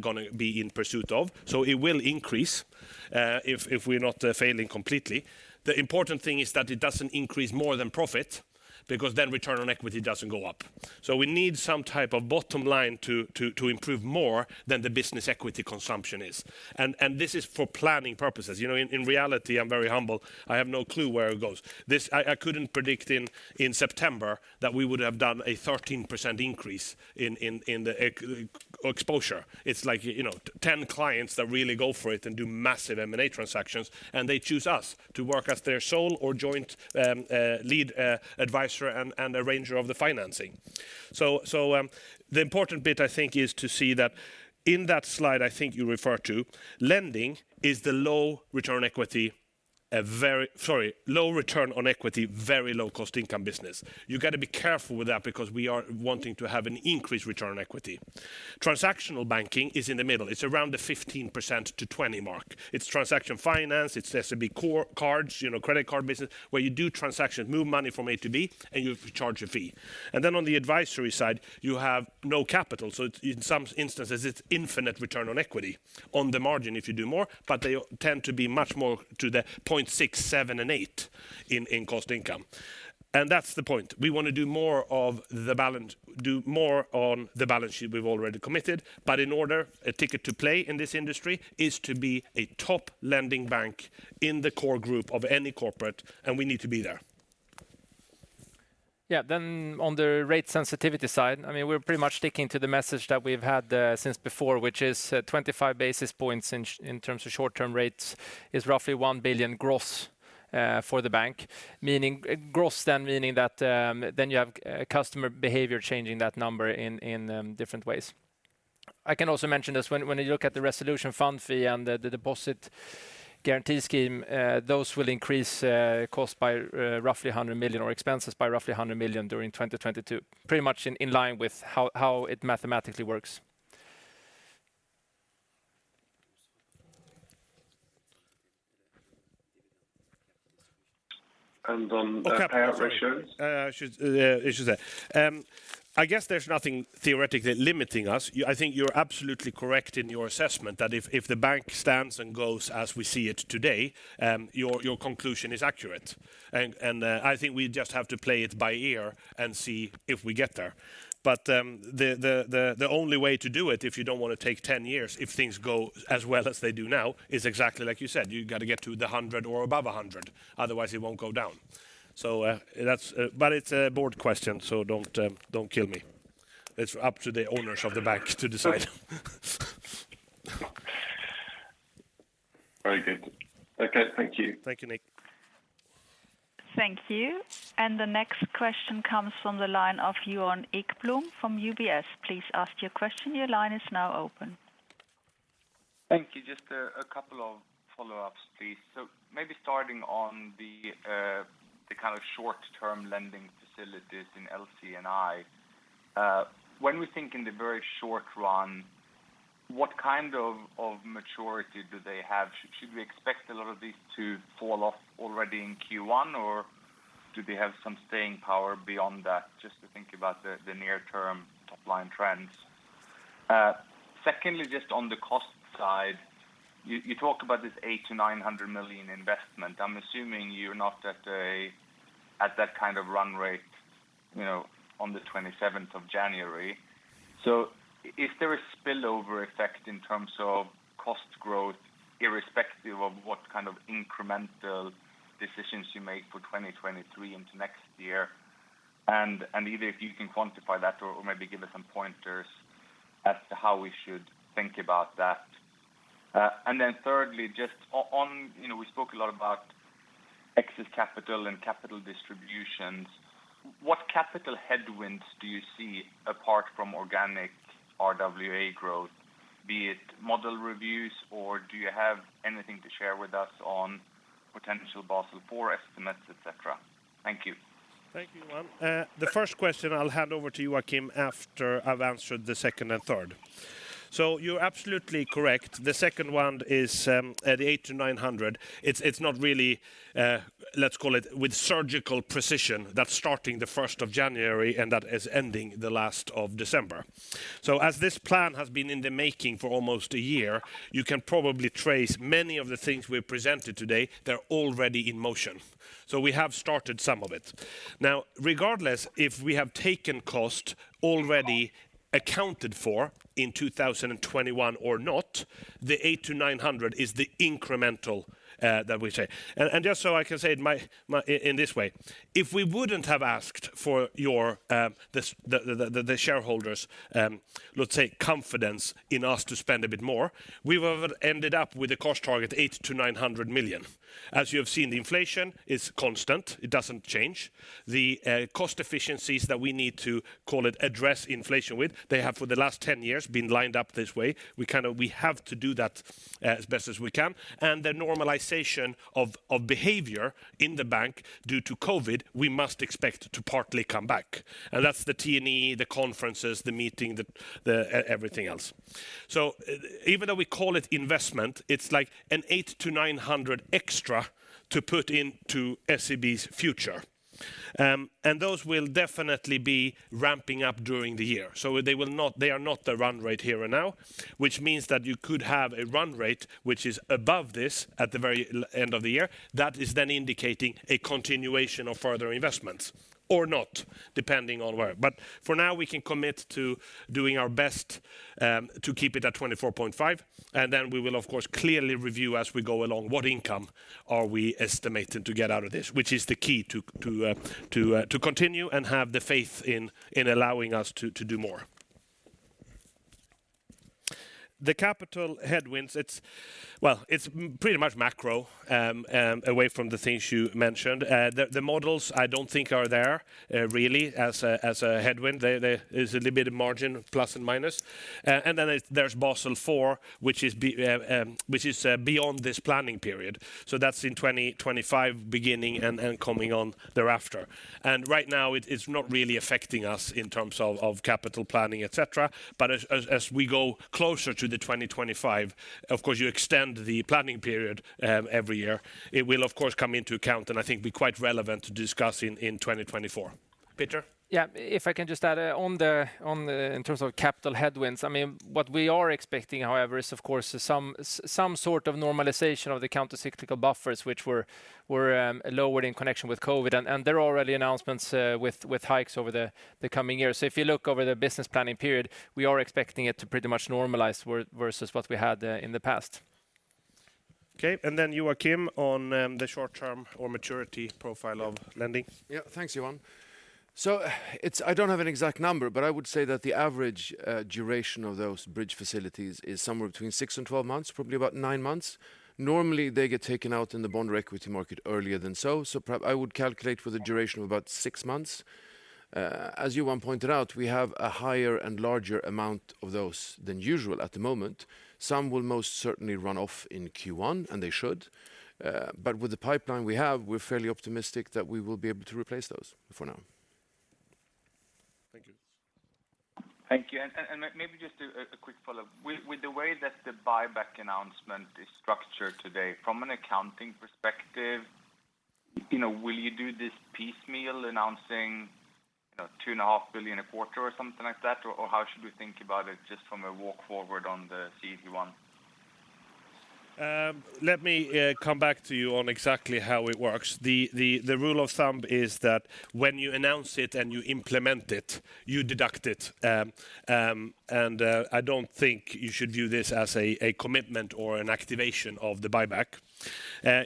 going to be in pursuit of. It will increase if we're not failing completely. The important thing is that it doesn't increase more than profit because then return on equity doesn't go up. We need some type of bottom line to improve more than the Business Equity Consumption is. This is for planning purposes. In reality, I'm very humble. I have no clue where it goes. I couldn't predict in September that we would have done a 13% increase in the exposure. It's like, you know, 10 clients that really go for it and do massive M&A transactions, and they choose us to work as their sole or joint lead advisor and arranger of the financing. The important bit I think is to see that in that slide, I think you refer to, lending is the low return on equity, very low cost-income business. You got to be careful with that because we are wanting to have an increased return on equity. Transactional banking is in the middle. It's around the 15%-20% mark. It's transaction finance, it's SEB Card, you know, credit card business, where you do transactions, move money from A to B, and you charge a fee. Then on the advisory side, you have no capital. It's, in some instances, it's infinite return on equity on the margin if you do more, but they tend to be much more to the 0.6x, 0.7x, and 0.8x in cost-income. That's the point. We want to do more on the balance sheet we've already committed. In order, a ticket to play in this industry is to be a top lending bank in the core group of any corporate, and we need to be there. Yeah. On the rate sensitivity side, I mean, we're pretty much sticking to the message that we've had since before, which is 25 basis points in terms of short-term rates is roughly 1 billion gross for the bank. Meaning gross then meaning that you have customer behavior changing that number in different ways. I can also mention this when you look at the Resolution Fund Fee and the Deposit Guarantee Scheme, those will increase cost by roughly 100 million or expenses by roughly 100 million during 2022. Pretty much in line with how it mathematically works. On the payout ratios. Okay. I'm sorry. I should say. I guess there's nothing theoretically limiting us. I think you're absolutely correct in your assessment that if the bank stands and goes as we see it today, your conclusion is accurate. I think we just have to play it by ear and see if we get there. The only way to do it if you don't want to take 10 years, if things go as well as they do now, is exactly like you said, you got to get to the 100% or above 100%, otherwise it won't go down. That's. It's a board question, so don't kill me. It's up to the owners of the bank to decide. Very good. Okay, thank you. Thank you, Nick. Thank you. The next question comes from the line of Johan Ekblom from UBS. Please ask your question. Your line is now open. Thank you. Just a couple of follow-ups, please. Maybe starting on the kind of short-term lending facilities in LC&I. When we think in the very short run, what kind of maturity do they have? Should we expect a lot of these to fall off already in Q1, or do they have some staying power beyond that? Just to think about the near term top-line trends. Secondly, just on the cost side, you talked about this 800 million-900 million investment. I'm assuming you're not at that kind of run rate, you know, on the twenty-seventh of January. If there is spillover effect in terms of cost growth, irrespective of what kind of incremental decisions you make for 2023 into next year, and either if you can quantify that or maybe give us some pointers as to how we should think about that. Thirdly, just on, you know, we spoke a lot about excess capital and capital distributions. What capital headwinds do you see apart from organic RWA growth, be it model reviews, or do you have anything to share with us on potential Basel IV estimates, et cetera? Thank you. Thank you, Johan. The first question, I'll hand over to you, Joachim, after I've answered the second and third. You're absolutely correct. The second one is at 800 million-900 million. It's not really, let's call it with surgical precision that's starting the first of January, and that is ending the last of December. As this plan has been in the making for almost a year, you can probably trace many of the things we've presented today, they're already in motion. We have started some of it. Now, regardless if we have taken cost already accounted for in 2021 or not, the 800 million-900 million is the incremental that we say. And just so I can say it my, in this way, if we wouldn't have asked for your the shareholders', let's say confidence in us to spend a bit more, we would have ended up with a cost target 800 million-900 million. As you have seen, the inflation is constant. It doesn't change. The cost efficiencies that we need to, call it, address inflation with, they have for the last 10 years been lined up this way. We kind of have to do that as best as we can. The normalization of behavior in the bank due to COVID, we must expect to partly come back. That's the T&E, the conferences, the meeting, the everything else. Even though we call it investment, it's like 800 million-900 million extra to put into SEB's future. Those will definitely be ramping up during the year. They are not the run rate here and now, which means that you could have a run rate which is above this at the very end of the year. That is indicating a continuation of further investments or not, depending on where. For now, we can commit to doing our best to keep it at 24.5 billion. We will of course clearly review as we go along what income are we estimating to get out of this, which is the key to continue and have the faith in allowing us to do more. The capital headwinds, it's pretty much macro away from the things you mentioned. The models I don't think are there really as a headwind. There is a limited margin plus and minus. Then there's Basel IV, which is beyond this planning period. That's in 2025 beginning and coming on thereafter. Right now, it's not really affecting us in terms of capital planning, et cetera. As we go closer to the 2025, of course you extend the planning period every year. It will of course come into account, and I think be quite relevant to discuss in 2024. Peter? If I can just add on the. In terms of capital headwinds, I mean, what we are expecting, however, is of course some sort of normalization of the countercyclical buffers which were lowered in connection with COVID. There are already announcements with hikes over the coming years. If you look over the business planning period, we are expecting it to pretty much normalize versus what we had in the past. Okay. You, Joachim, on the short term or maturity profile of lending. Yeah. Thanks, Johan. I don't have an exact number, but I would say that the average duration of those bridge facilities is somewhere between six and 12 months, probably about nine months. Normally, they get taken out in the bond or equity market earlier than so. I would calculate for the duration of about six months. As Johan pointed out, we have a higher and larger amount of those than usual at the moment. Some will most certainly run off in Q1, and they should. But with the pipeline we have, we're fairly optimistic that we will be able to replace those for now. Thank you. Thank you. Maybe just a quick follow-up. With the way that the buyback announcement is structured today from an accounting perspective, you know, will you do this piecemeal announcing, you know, 2.5 billion a quarter or something like that? Or how should we think about it just from a walk forward on the CET1? Let me come back to you on exactly how it works. The rule of thumb is that when you announce it and you implement it, you deduct it. I don't think you should view this as a commitment or an activation of the buyback.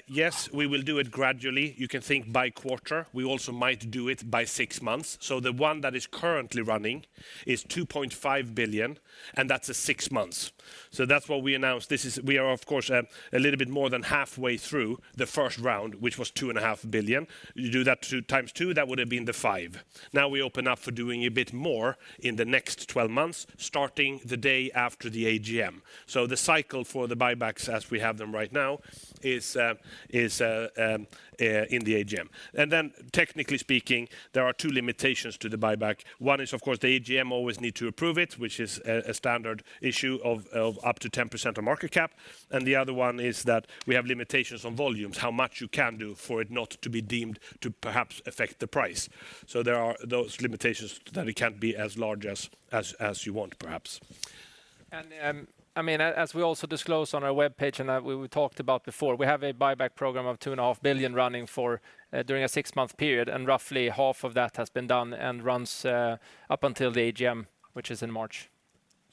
Yes, we will do it gradually. You can think by quarter. We also might do it by six months. The one that is currently running is 2.5 billion, and that's six months. That's what we announced. This is. We are, of course, a little bit more than halfway through the first round, which was 2.5 billion. You do that two times two, that would've been the 5 billion. Now we open up for doing a bit more in the next 12 months, starting the day after the AGM. The cycle for the buybacks as we have them right now is in the AGM. Technically speaking, there are two limitations to the buyback. One is of course the AGM always need to approve it, which is a standard issue of up to 10% of market cap. The other one is that we have limitations on volumes, how much you can do for it not to be deemed to perhaps affect the price. There are those limitations that it can't be as large as you want perhaps. I mean, as we also disclose on our webpage and that we talked about before, we have a buyback program of 2.5 billion running during a six-month period, and roughly half of that has been done and runs up until the AGM, which is in March.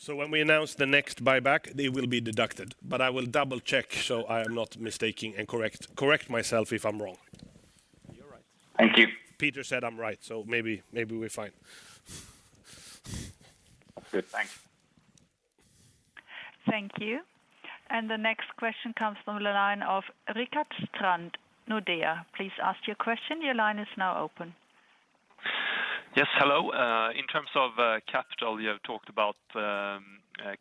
When we announce the next buyback, they will be deducted. I will double-check so I'm not mistaking and correct myself if I'm wrong. You're right. Thank you. Peter said I'm right, so maybe we're fine. Good. Thanks. Thank you. The next question comes from the line of Rickard Strand, Nordea. Please ask your question. Your line is now open. Yes. Hello. In terms of capital, you have talked about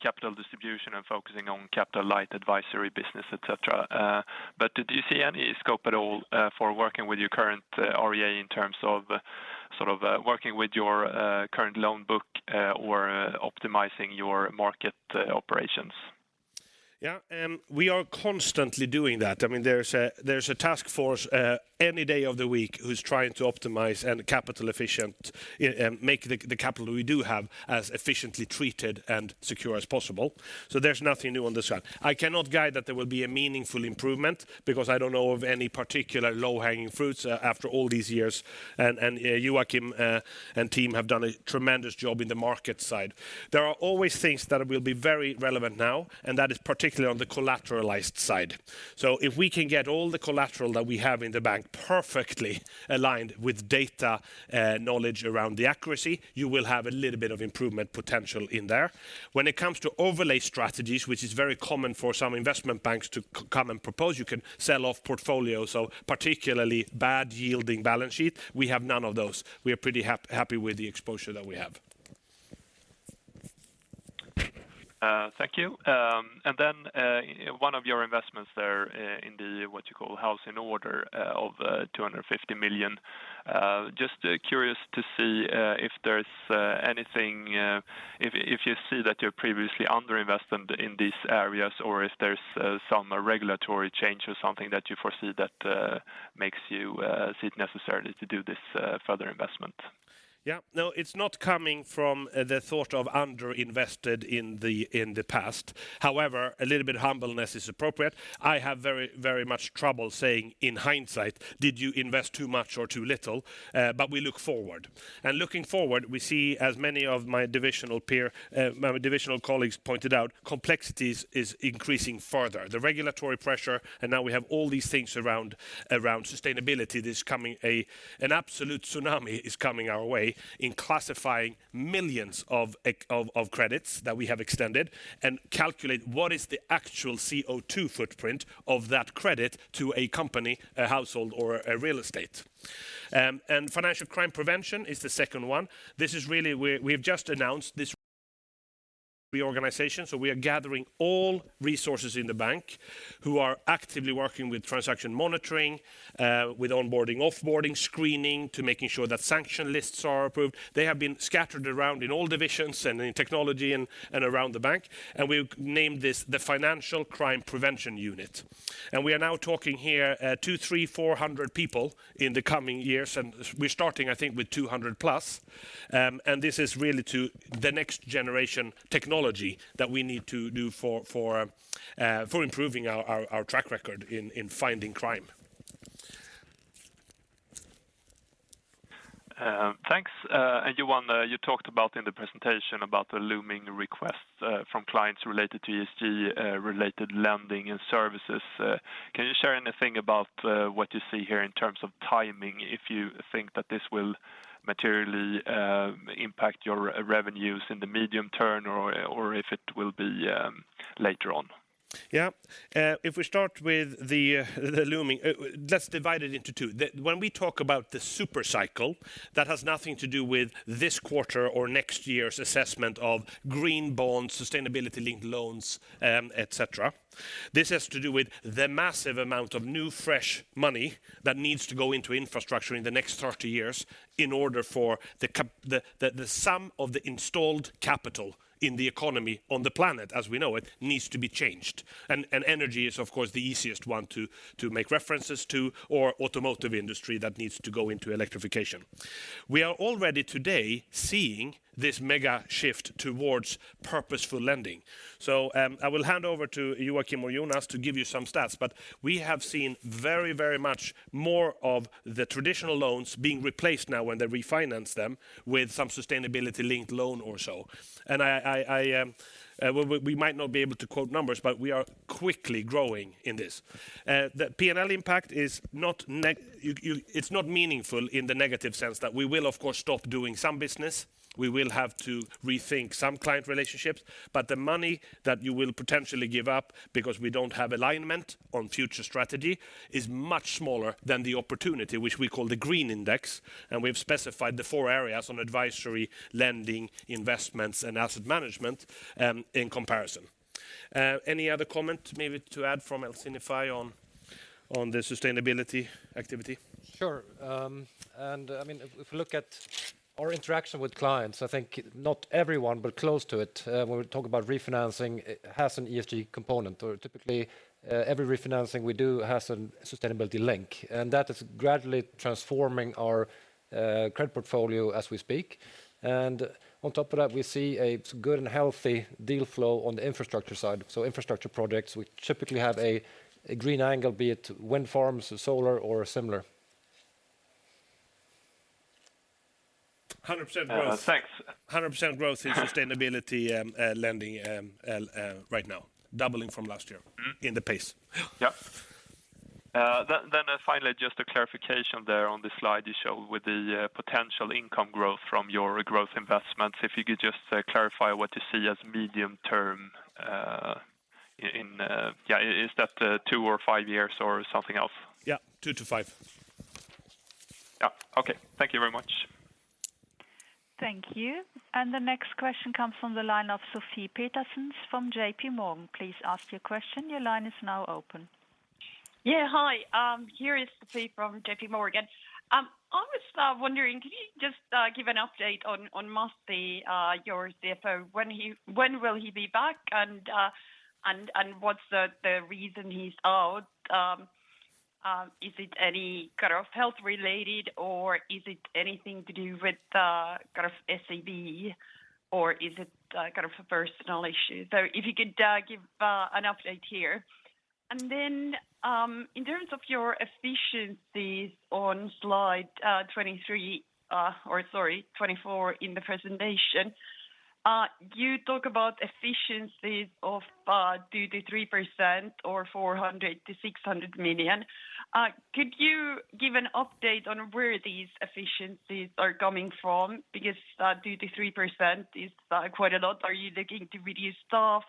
capital distribution and focusing on capital light advisory business, et cetera. But do you see any scope at all for working with your current RWA in terms of sort of working with your current loan book or optimizing your market operations? Yeah. We are constantly doing that. I mean, there's a task force any day of the week who's trying to optimize and capital efficient, make the capital we do have as efficiently treated and secure as possible. So there's nothing new on this front. I cannot guide that there will be a meaningful improvement because I don't know of any particular low-hanging fruits after all these years. Joachim and team have done a tremendous job in the market side. There are always things that will be very relevant now, and that is particularly on the collateralized side. So if we can get all the collateral that we have in the bank perfectly aligned with data, knowledge around the accuracy, you will have a little bit of improvement potential in there. When it comes to overlay strategies, which is very common for some investment banks to come and propose, you can sell off portfolios of particularly bad yielding balance sheet. We have none of those. We are pretty happy with the exposure that we have. Thank you. One of your investments there in the what you call house in order of 250 million. Just curious to see if there's anything if you see that you're previously under-invested in these areas or if there's some regulatory change or something that you foresee that makes you see it necessary to do this further investment. Yeah. No, it's not coming from the thought of under-invested in the, in the past. However, a little bit humbleness is appropriate. I have very, very much trouble saying in hindsight, did you invest too much or too little? But we look forward. Looking forward, we see as many of my divisional colleagues pointed out, complexities is increasing further. The regulatory pressure, and now we have all these things around sustainability. There's coming an absolute tsunami is coming our way in classifying millions of credits that we have extended and calculate what is the actual CO2 footprint of that credit to a company, a household or a real estate. Financial crime prevention is the second one. We've just announced this reorganization, so we are gathering all resources in the bank who are actively working with transaction monitoring, with onboarding, offboarding, screening to making sure that sanction lists are approved. They have been scattered around in all divisions and in technology and around the bank. We've named this the Financial Crime Prevention Unit. We are now talking here 200, 300, 400 people in the coming years, and we're starting, I think, with 200 plus. This is really to the next generation technology that we need to do for improving our track record in finding crime. Thanks. Johan, you talked about in the presentation about the looming request from clients related to ESG related lending and services. Can you share anything about what you see here in terms of timing, if you think that this will materially impact your revenues in the medium term or if it will be later on? If we start with the looming, let's divide it into two. When we talk about the super cycle, that has nothing to do with this quarter or next year's assessment of green bonds, sustainability-linked loans, et cetera. This has to do with the massive amount of new, fresh money that needs to go into infrastructure in the next 30 years in order for the sum of the installed capital in the economy on the planet, as we know it, needs to be changed. Energy is of course the easiest one to make references to, or automotive industry that needs to go into electrification. We are already today seeing this mega shift towards purposeful lending. I will hand over to Joachim or Jonas to give you some stats. We have seen very, very much more of the traditional loans being replaced now when they refinance them with some sustainability-linked loan or so. We might not be able to quote numbers, but we are quickly growing in this. The P&L impact is not meaningful in the negative sense that we will of course stop doing some business. We will have to rethink some client relationships. The money that you will potentially give up because we don't have alignment on future strategy is much smaller than the opportunity, which we call the green index, and we've specified the four areas on advisory, lending, investments, and asset management, in comparison. Any other comment maybe to add from LC&FI on the sustainability activity? Sure. I mean, if you look at our interaction with clients, I think not everyone, but close to it, when we talk about refinancing, it has an ESG component or typically, every refinancing we do has a sustainability link, and that is gradually transforming our credit portfolio as we speak. On top of that, we see a good and healthy deal flow on the infrastructure side. Infrastructure projects, we typically have a green angle, be it wind farms, solar, or similar. 100% growth- Thanks. 100% growth in sustainable lending right now. Doubling from last year. Mm-hmm in the pace. Yeah. Finally, just a clarification there on the slide you show with the potential income growth from your growth investments. If you could just clarify what you see as medium term in. Yeah, is that two or five years or something else? Yeah, 2-5 years. Yeah. Okay. Thank you very much. Thank you. The next question comes from the line of Sofie Peterzéns from JPMorgan. Please ask your question. Your line is now open. Yeah, hi. Here is Sofie from JPMorgan. I was wondering, can you just give an update on Masih, your CFO? When will he be back, and what's the reason he's out? Is it any kind of health related, or is it anything to do with SEB, or is it kind of a personal issue? If you could give an update here. In terms of your efficiencies on slide 23, or sorry, 24 in the presentation, you talk about efficiencies of 2%-3% or 400 million-600 million. Could you give an update on where these efficiencies are coming from? Because 2%-3% is quite a lot. Are you looking to reduce staff?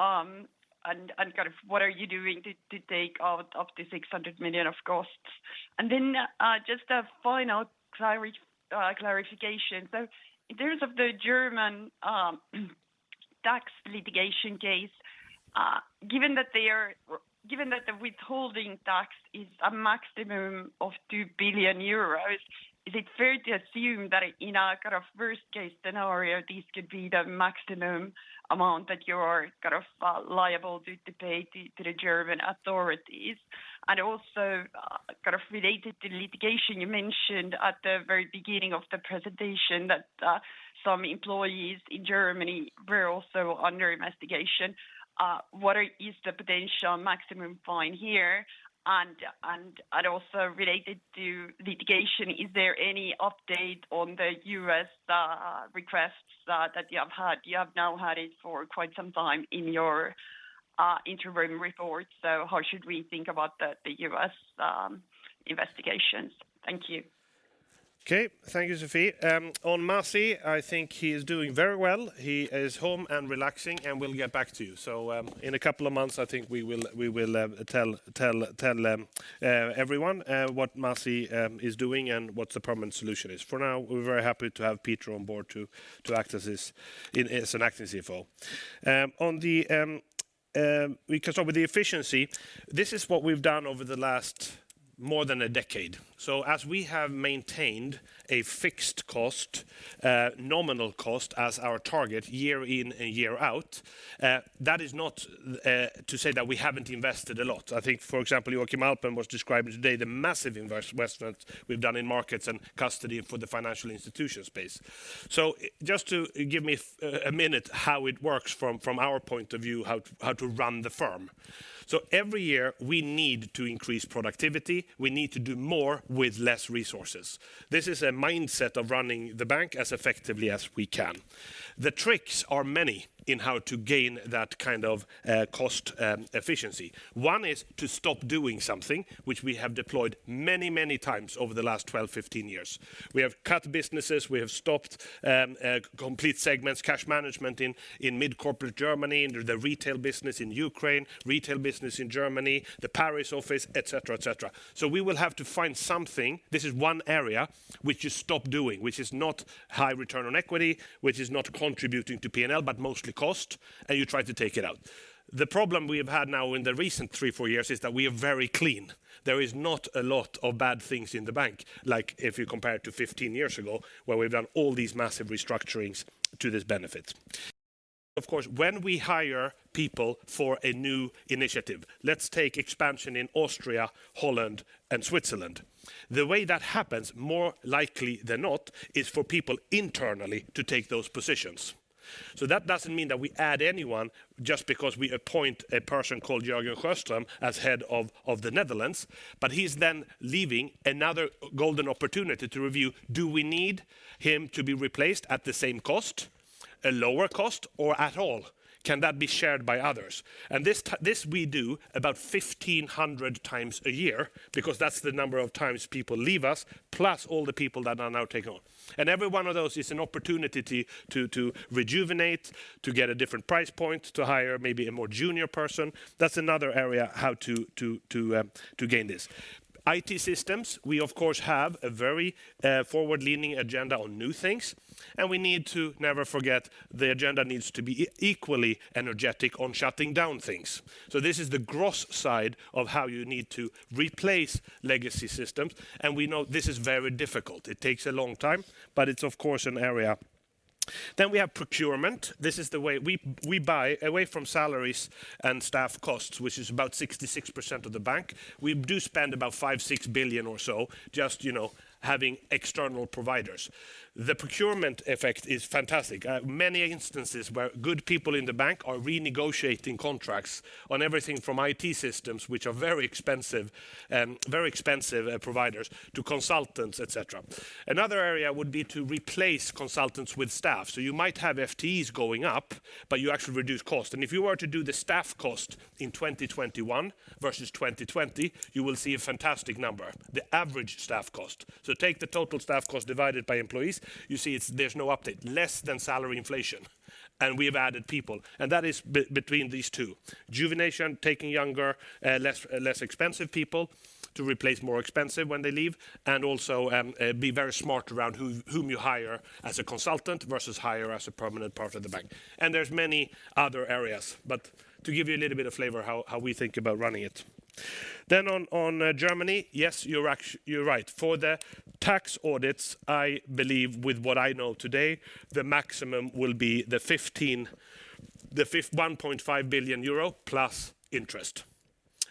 Kind of what are you doing to take out of the 600 million of costs? Just a final clarification. In terms of the German tax litigation case, given that the withholding tax is a maximum of 2 billion euros, is it fair to assume that in a kind of worst-case scenario, this could be the maximum amount that you are kind of liable to pay to the German authorities? Also, kind of related to litigation, you mentioned at the very beginning of the presentation that some employees in Germany were also under investigation. Is the potential maximum fine here? Also related to litigation, is there any update on the U.S. requests that you have had? You have now had it for quite some time in your interim report. How should we think about the U.S. investigations? Thank you. Thank you, Sofie. On Masih, I think he is doing very well. He is home and relaxing, and we'll get back to you. In a couple of months, I think we will tell everyone what Masih is doing and what the permanent solution is. For now, we're very happy to have Peter on board to act as an Acting CFO. We can start with the efficiency. This is what we've done over the last more than a decade. As we have maintained a fixed nominal cost as our target year in and year out, that is not to say that we haven't invested a lot. I think, for example, Joachim Alpen was describing today the massive immense investments we've done in markets and custody for the financial institution space. Just to give a minute how it works from our point of view, how to run the firm. Every year we need to increase productivity. We need to do more with less resources. This is a mindset of running the bank as effectively as we can. The tricks are many in how to gain that kind of cost efficiency. One is to stop doing something which we have deployed many times over the last 12-15 years. We have cut businesses, we have stopped complete segments, cash management in mid-corporate Germany, and the retail business in Ukraine, retail business in Germany, the Paris office, et cetera. We will have to find something. This is one area which you stop doing, which is not high return on equity, which is not contributing to P&L, but mostly cost, and you try to take it out. The problem we have had now in the recent three, four years is that we are very clean. There is not a lot of bad things in the bank, like if you compare it to 15 years ago where we've done all these massive restructurings to this benefit. Of course, when we hire people for a new initiative, let's take expansion in Austria, Holland and Switzerland. The way that happens, more likely than not, is for people internally to take those positions. That doesn't mean that we add anyone just because we appoint a person called Jörgen Sjöström as head of the Netherlands. He's then leaving another golden opportunity to review, do we need him to be replaced at the same cost, a lower cost or at all? Can that be shared by others? This we do about 1,500 times a year because that's the number of times people leave us, plus all the people that are now taken on. Every one of those is an opportunity to rejuvenate, to get a different price point, to hire maybe a more junior person. That's another area how to gain this. IT systems, we of course have a very forward-leaning agenda on new things, and we need to never forget the agenda needs to be equally energetic on shutting down things. This is the gross side of how you need to replace legacy systems. We know this is very difficult. It takes a long time, but it's of course an area. We have procurement. This is the way we buy away from salaries and staff costs, which is about 66% of the bank. We do spend about 5 billion-6 billion or so just, you know, having external providers. The procurement effect is fantastic. Many instances where good people in the bank are renegotiating contracts on everything from IT systems which are very expensive, very expensive providers to consultants, et cetera. Another area would be to replace consultants with staff. You might have FTEs going up, but you actually reduce cost. If you were to do the staff cost in 2021 versus 2020, you will see a fantastic number, the average staff cost. Take the total staff cost divided by employees. You see it's there's no update, less than salary inflation, and we have added people, and that is between these two. Rejuvenation, taking younger, less expensive people to replace more expensive when they leave, and also be very smart around whom you hire as a consultant versus hire as a permanent part of the bank. There's many other areas. To give you a little bit of flavor how we think about running it. On Germany, yes, you're right. For the tax audits, I believe with what I know today, the maximum will be 1.5 billion euro plus interest.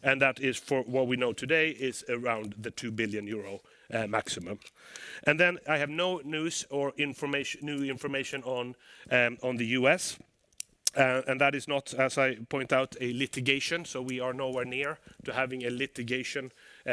That is for what we know today is around 2 billion euro maximum. I have no new information on the U.S. That is not, as I point out, a litigation. We are nowhere near to having a litigation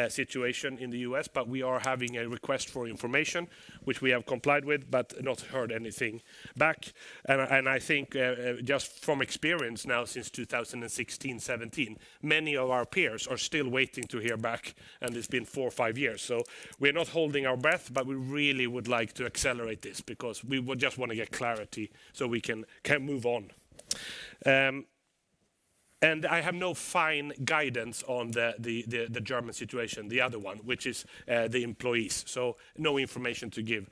situation in the U.S., but we are having a request for information which we have complied with but not heard anything back. I think just from experience now since 2016, 2017, many of our peers are still waiting to hear back, and it's been four or five years. We're not holding our breath, but we really would like to accelerate this because we would just want to get clarity so we can move on. I have no final guidance on the German situation, the other one, which is the employees. No information to give.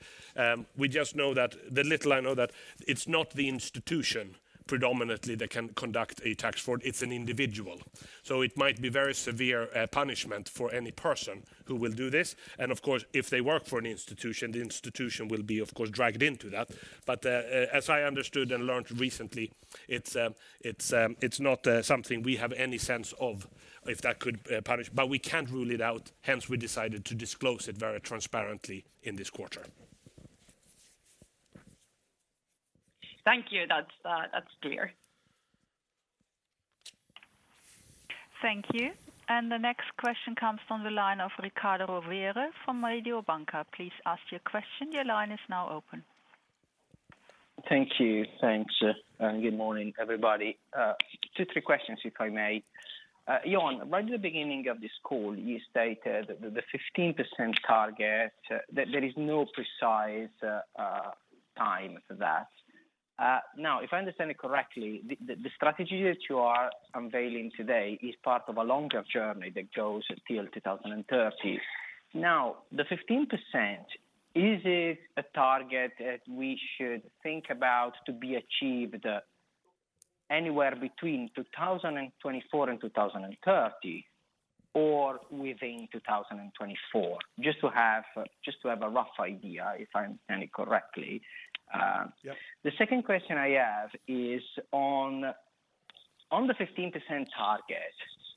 We just know that the little I know that it's not the institution predominantly that can conduct a tax fraud, it's an individual. It might be very severe punishment for any person who will do this. Of course, if they work for an institution, the institution will be of course dragged into that. As I understood and learned recently, it's not something we have any sense of if that could punish. We can't rule it out, hence we decided to disclose it very transparently in this quarter. Thank you. That's clear. Thank you. The next question comes from the line of Riccardo Rovere from Mediobanca. Please ask your question. Your line is now open. Thank you. Thanks. Good morning, everybody. Two, three questions if I may. Johan, right at the beginning of this call, you stated that the 15% target, that there is no precise time for that. Now, if I understand it correctly, the strategy that you are unveiling today is part of a longer journey that goes till 2030. Now, the 15%, is it a target that we should think about to be achieved anywhere between 2024 and 2030? Or within 2024, just to have a rough idea if I understand it correctly. Yep. The second question I have is on the 15% target.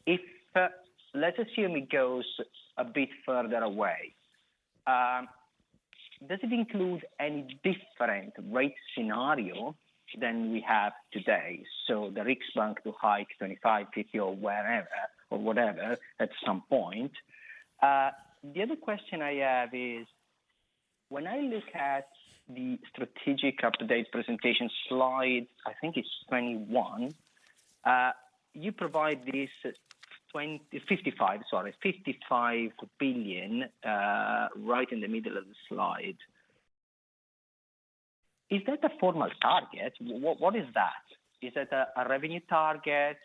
If let's assume it goes a bit further away, does it include any different rate scenario than we have today? The Riksbank to hike 25 basis points or wherever or whatever at some point. The other question I have is when I look at the strategy update presentation slide, I think it's 21, you provide this SEK 55 billion right in the middle of the slide. Is that a formal target? What is that? Is that a revenue target?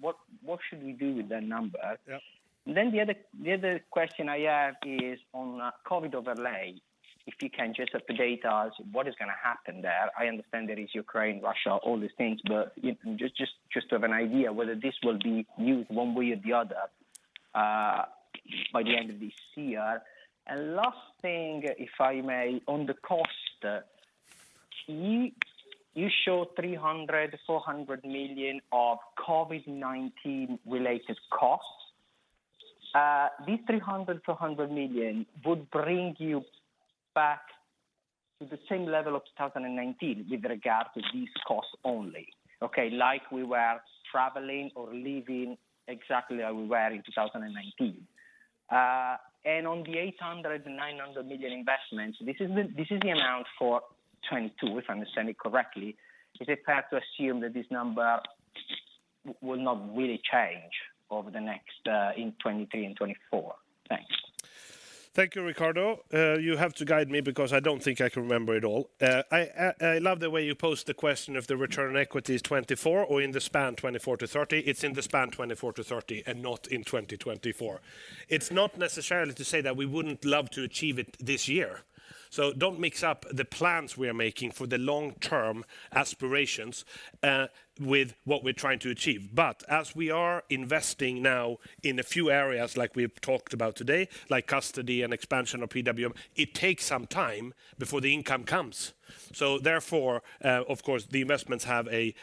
What should we do with that number? Yeah. The other question I have is on COVID overlay, if you can just update us what is gonna happen there. I understand there is Ukraine, Russia, all these things, but just to have an idea whether this will be used one way or the other by the end of this year. Last thing, if I may, on the cost, you show 300 million-400 million of COVID-19 related costs. These 300 million-400 million would bring you back to the same level of 2019 with regard to these costs only, okay? Like we were traveling or living exactly how we were in 2019. And on the 800 million-900 million investments, this is the amount for 2022, if I understand it correctly. Is it fair to assume that this number will not really change over the next, in 2023 and 2024? Thanks. Thank you, Riccardo. You have to guide me because I don't think I can remember it all. I love the way you pose the question if the return on equity is 2024 or in the span 2024-2030. It's in the span 2024-2030 and not in 2024. It's not necessarily to say that we wouldn't love to achieve it this year. Don't mix up the plans we are making for the long-term aspirations with what we're trying to achieve. As we are investing now in a few areas like we've talked about today, like custody and expansion of PWM, it takes some time before the income comes. Therefore, of course, the investments have a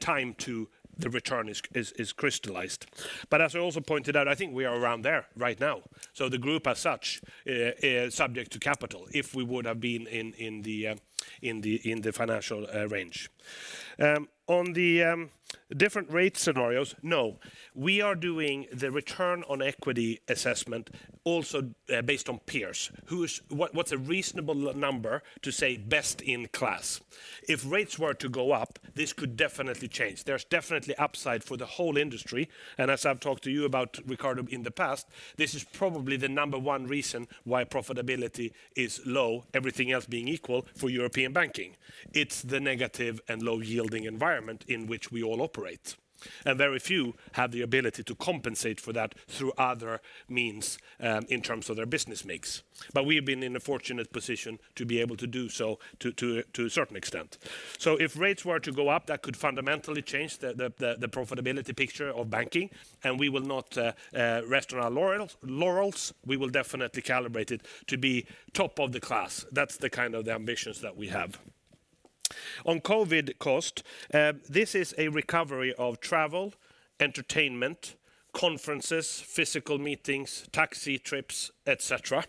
time to the return is crystallized. As I also pointed out, I think we are around there right now. The group as such is subject to capital if we would have been in the financial range. On the different rate scenarios, no. We are doing the return on equity assessment also based on peers. What's a reasonable number to say best in class? If rates were to go up, this could definitely change. There's definitely upside for the whole industry, and as I've talked to you about, Riccardo, in the past, this is probably the number one reason why profitability is low, everything else being equal for European banking. It's the negative and low-yielding environment in which we all operate. Very few have the ability to compensate for that through other means in terms of their business mix. We've been in a fortunate position to be able to do so to a certain extent. If rates were to go up, that could fundamentally change the profitability picture of banking, and we will not rest on our laurels. We will definitely calibrate it to be top of the class. That's the kind of ambitions that we have. On COVID cost, this is a recovery of travel, entertainment, conferences, physical meetings, taxi trips, et cetera.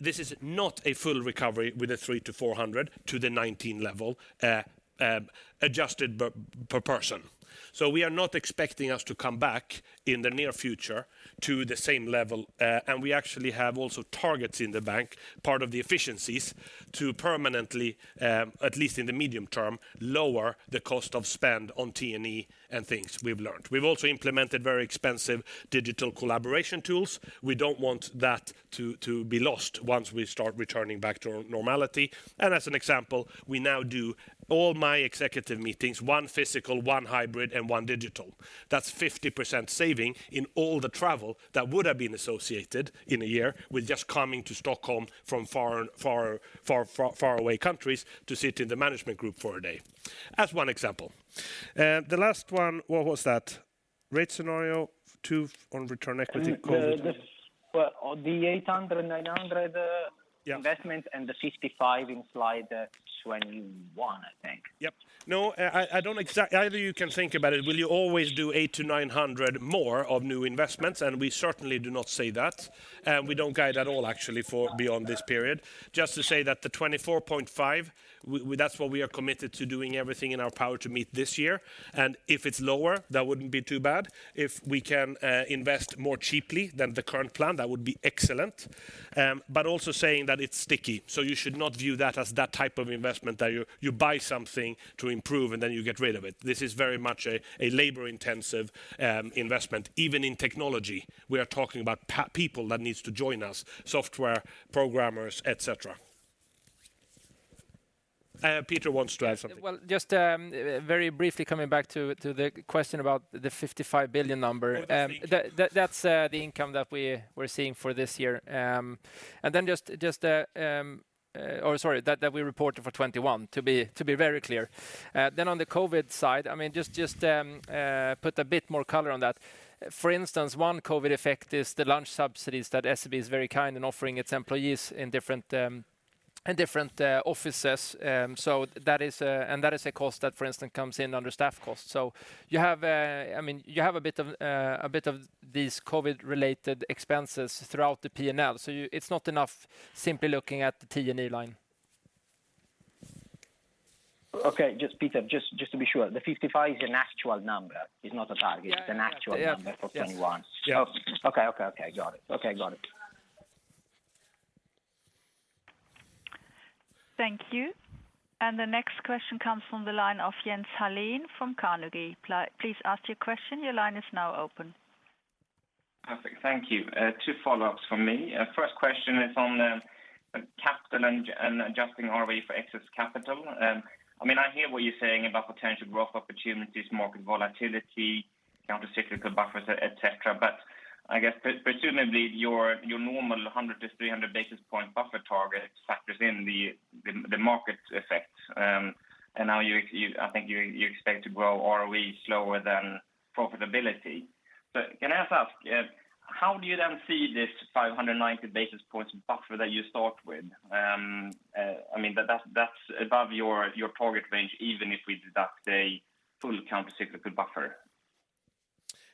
This is not a full recovery with the 300 million-400 million to the 2019 level, adjusted per person. We are not expecting us to come back in the near future to the same level, and we actually have also targets in the bank, part of the efficiencies, to permanently, at least in the medium term, lower the cost of spend on T&E and things we've learned. We've also implemented very expensive digital collaboration tools. We don't want that to be lost once we start returning back to normality. As an example, we now do all my executive meetings, one physical, one hybrid, and one digital. That's 50% saving in all the travel that would have been associated in a year with just coming to Stockholm from far away countries to sit in the management group for a day. As one example. The last one, what was that? Rate scenario, two on return equity, COVID- Well, on the 800 million-900 million- Yeah -investment and the 55 billion in slide 21, I think. No, I don't exactly. Either you can think about it, we'll always do 800 million-900 million more of new investments, and we certainly do not say that. We don't guide at all actually for beyond this period. Just to say that the 24.5 billion, that's what we are committed to doing everything in our power to meet this year. If it's lower, that wouldn't be too bad. If we can invest more cheaply than the current plan, that would be excellent. Also saying that it's sticky. You should not view that as that type of investment that you buy something to improve, and then you get rid of it. This is very much a labor-intensive investment. Even in technology, we are talking about people that needs to join us, software programmers, et cetera. Peter wants to add something. Well, just very briefly coming back to the question about the 55 billion number. That's the income that we reported for 2021, to be very clear. On the COVID side, I mean, just put a bit more color on that. For instance, one COVID effect is the lunch subsidies that SEB is very kind in offering its employees in different offices. That is a cost that, for instance, comes in under staff costs. You have, I mean, a bit of these COVID-related expenses throughout the P&L. It's not enough simply looking at the T&E line. Okay. Just Peter, just to be sure, the 55 billion is an actual number. It's not a target. It's an actual number for 2021. Yeah. Yeah. Okay. Got it. Thank you. The next question comes from the line of Jens Hallén from Carnegie. Please ask your question. Your line is now open. Perfect. Thank you. Two follow-ups from me. First question is on the capital and adjusting ROE for excess capital. I mean, I hear what you're saying about potential growth opportunities, market volatility, countercyclical buffers, et cetera. I guess presumably your normal 100 basis points-300 basis points buffer target factors in the market effect. Now you, I think you expect to grow ROE slower than profitability. Can I ask how do you then see this 590 basis points buffer that you start with? I mean, that's above your target range, even if we deduct a full countercyclical buffer.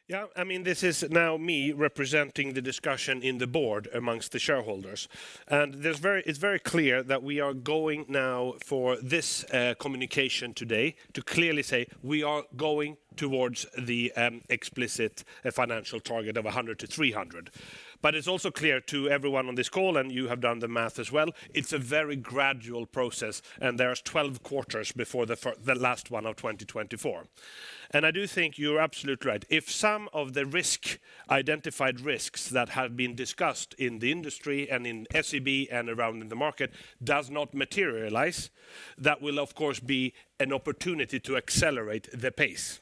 Yeah. I mean, this is now me representing the discussion in the board among the shareholders. It's very clear that we are going now for this communication today to clearly say we are going towards the explicit financial target of 100 basis points-300 basis points. It's also clear to everyone on this call, and you have done the math as well, it's a very gradual process, and there's 12 quarters before the last one of 2024. I do think you're absolutely right. If some of the risk, identified risks that have been discussed in the industry and in SEB and around in the market does not materialize, that will of course be an opportunity to accelerate the pace.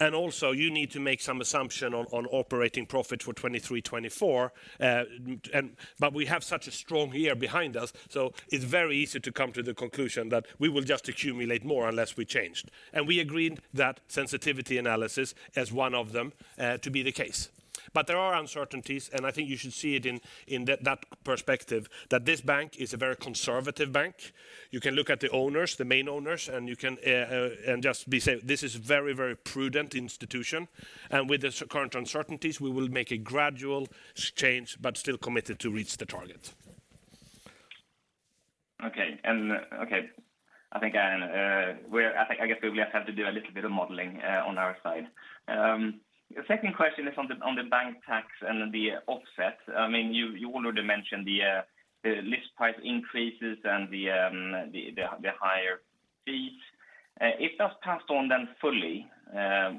Also, you need to make some assumption on operating profit for 2023, 2024. We have such a strong year behind us, so it's very easy to come to the conclusion that we will just accumulate more unless we changed. We agreed that sensitivity analysis as one of them to be the case. There are uncertainties, and I think you should see it in that perspective, that this bank is a very conservative bank. You can look at the owners, the main owners, and you can, and just be safe. This is very, very prudent institution. With the current uncertainties, we will make a gradual change, but still committed to reach the target. I guess we'll just have to do a little bit of modeling on our side. The second question is on the bank tax and the offset. I mean, you already mentioned the list price increases and the higher fees. If that's passed on then fully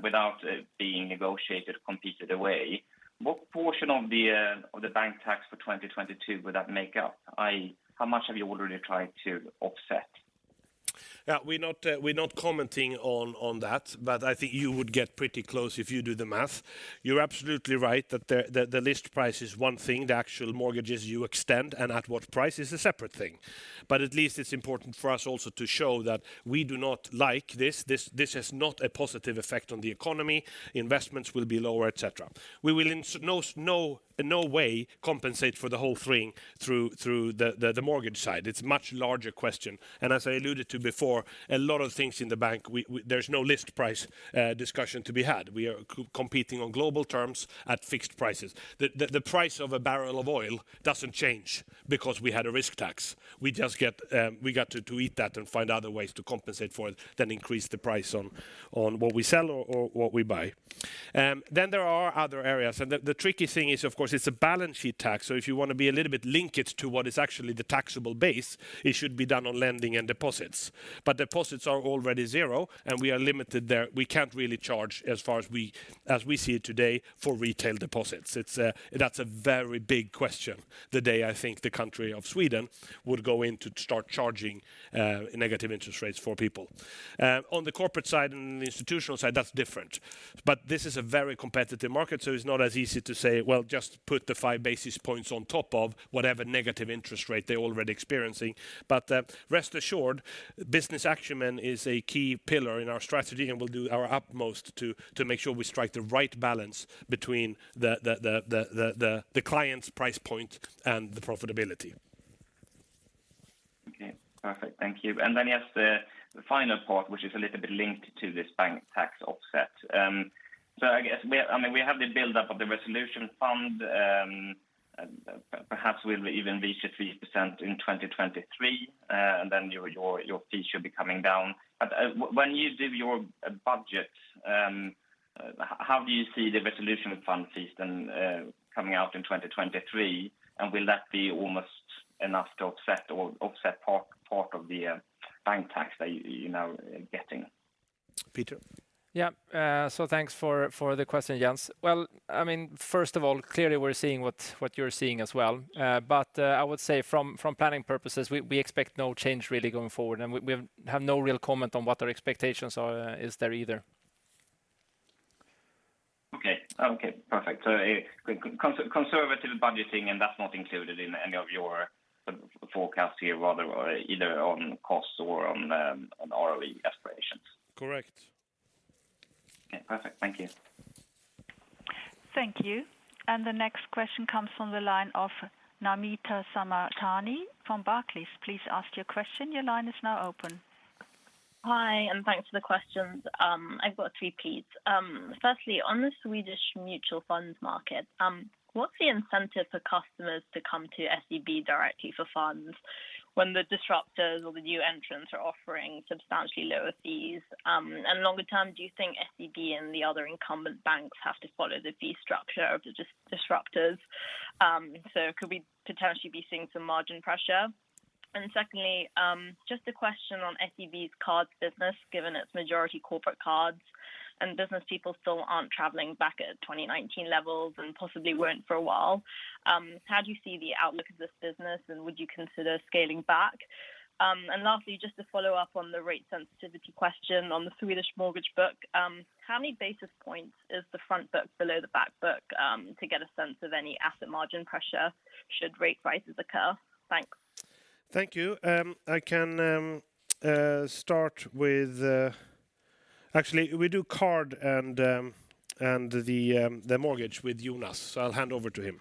without being negotiated, competed away, what portion of the bank tax for 2022 would that make up? How much have you already tried to offset? Yeah. We're not commenting on that, but I think you would get pretty close if you do the math. You're absolutely right that the list price is one thing. The actual mortgages you extend and at what price is a separate thing. At least it's important for us also to show that we do not like this. This has not a positive effect on the economy. Investments will be lower, et cetera. We will in no way compensate for the whole thing through the mortgage side. It's much larger question. As I alluded to before, a lot of things in the bank there's no list price discussion to be had. We are competing on global terms at fixed prices. The price of a barrel of oil doesn't change because we had a risk tax. We just got to eat that and find other ways to compensate for it than increase the price on what we sell or what we buy. Then there are other areas. The tricky thing is, of course, it's a balance sheet tax. If you want to be a little bit linked to what is actually the taxable base, it should be done on lending and deposits. Deposits are already zero, and we are limited there. We can't really charge as far as we see it today for retail deposits. That's a very big question the day I think the country of Sweden would go in to start charging negative interest rates for people. On the corporate side and the institutional side, that's different. This is a very competitive market, so it's not as easy to say, well, just put the 5 basis points on top of whatever negative interest rate they're already experiencing. Rest assured, business action is a key pillar in our strategy, and we'll do our utmost to make sure we strike the right balance between the client's price point and the profitability. Okay. Perfect. Thank you. Yes, the final part, which is a little bit linked to this bank tax offset. So I guess, I mean, we have the build up of the resolution fund, perhaps we'll even reach 3% in 2023, and then your fee should be coming down. When you do your budget, how do you see the resolution fund fees then, coming out in 2023? Will that be almost enough to offset or offset part of the bank tax that you know are getting? Peter? Yeah. Thanks for the question, Jens. Well, I mean, first of all, clearly we're seeing what you're seeing as well. I would say from planning purposes, we expect no change really going forward. We have no real comment on what our expectations are, is there either. Okay, perfect. Conservative budgeting, and that's not included in an? of your forecast here rather or either on costs or on ROE aspirations. Correct. Okay, perfect. Thank you. Thank you. The next question comes from the line of Namita Samtani from Barclays. Please ask your question. Your line is now open. Hi, thanks for the questions. I've got three, please. Firstly, on the Swedish mutual funds market, what's the incentive for customers to come to SEB directly for funds when the disruptors or the new entrants are offering substantially lower fees? Longer term, do you think SEB and the other incumbent banks have to follow the fee structure of the disruptors? Could we potentially be seeing some margin pressure? Secondly, just a question on SEB's cards business, given its majority corporate cards and business people still aren't traveling back at 2019 levels and possibly won't for a while. How do you see the outlook of this business, and would you consider scaling back? Lastly, just to follow up on the rate sensitivity question on the Swedish mortgage book, how many basis points is the front book below the back book, to get a sense of any asset margin pressure should rate rises occur? Thanks. Thank you. Actually, we do card and the mortgage with Jonas, so I'll hand over to him.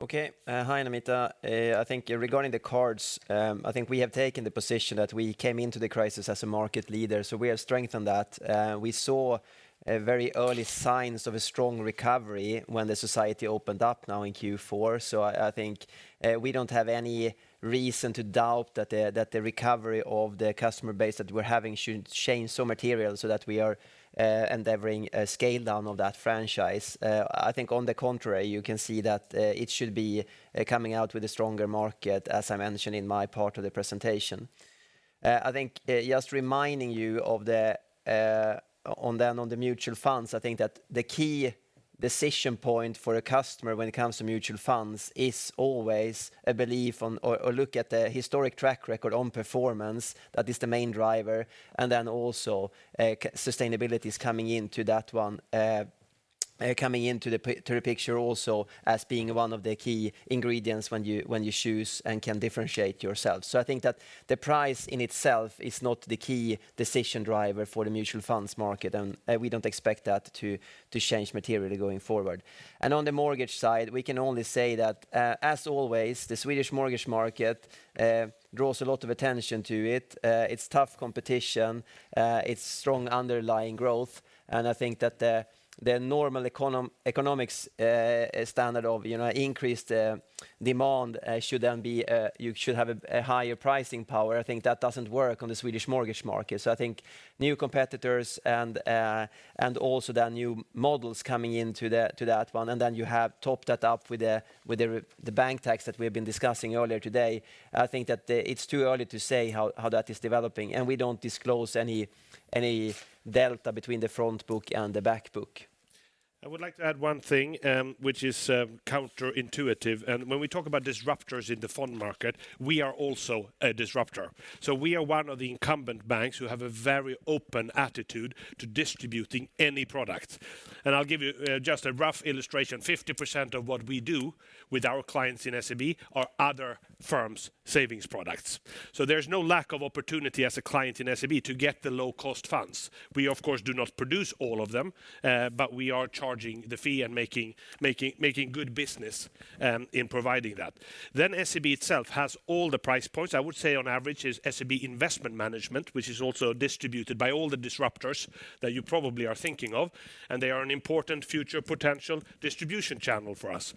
Okay. Hi, Namita. I think regarding the cards, I think we have taken the position that we came into the crisis as a market leader, so we have strengthened that. We saw very early signs of a strong recovery when the society opened up now in Q4. I think we don't have any reason to doubt that the recovery of the customer base that we're having should change so material so that we are endeavoring a scale down of that franchise. I think on the contrary, you can see that it should be coming out with a stronger market, as I mentioned in my part of the presentation. I think just reminding you of the mutual funds, I think that the key decision point for a customer when it comes to mutual funds is always a belief on or look at the historic track record on performance. That is the main driver. Then also, sustainability is coming into that one. Coming into the picture also as being one of the key ingredients when you, when you choose and can differentiate yourself. I think that the price in itself is not the key decision driver for the mutual funds market and we don't expect that to change materially going forward. On the mortgage side, we can only say that as always, the Swedish mortgage market draws a lot of attention to it. It's tough competition, it's strong underlying growth, and I think that the normal economics standard of, you know, increased demand should then be you should have a higher pricing power. I think that doesn't work on the Swedish mortgage market. I think new competitors and also the new models coming into that one, and then you have topped that up with the bank tax that we've been discussing earlier today. I think that it's too early to say how that is developing, and we don't disclose any delta between the front book and the back book. I would like to add one thing, which is counterintuitive. When we talk about disruptors in the fund market, we are also a disruptor. We are one of the incumbent banks who have a very open attitude to distributing any product. I'll give you just a rough illustration. 50% of what we do with our clients in SEB are other firms' savings products. There's no lack of opportunity as a client in SEB to get the low-cost funds. We of course do not produce all of them, but we are charging the fee and making good business in providing that. SEB itself has all the price points. I would say on average is SEB Investment Management, which is also distributed by all the disruptors that you probably are thinking of, and they are an important future potential distribution channel for us.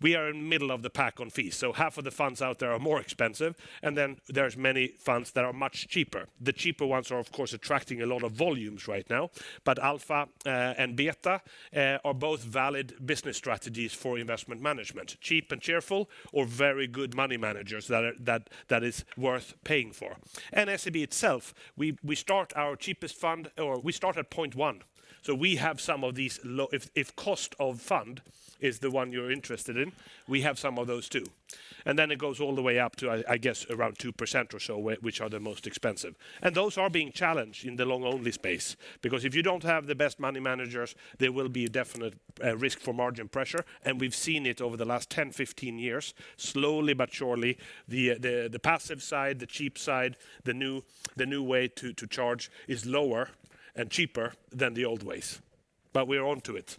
We are in middle of the pack on fees, so half of the funds out there are more expensive and then there's many funds that are much cheaper. The cheaper ones are of course attracting a lot of volumes right now, but alpha and beta are both valid business strategies for investment management. Cheap and cheerful or very good money managers that are worth paying for. SEB itself, we start our cheapest fund or we start at 0.1%. We have some of these. If cost of fund is the one you're interested in, we have some of those too. Then it goes all the way up to, I guess, around 2% or so which are the most expensive. Those are being challenged in the long-only space because if you don't have the best money managers, there will be a definite risk for margin pressure. We've seen it over the last 10, 15 years. Slowly but surely, the passive side, the cheap side, the new way to charge is lower and cheaper than the old ways. We're onto it.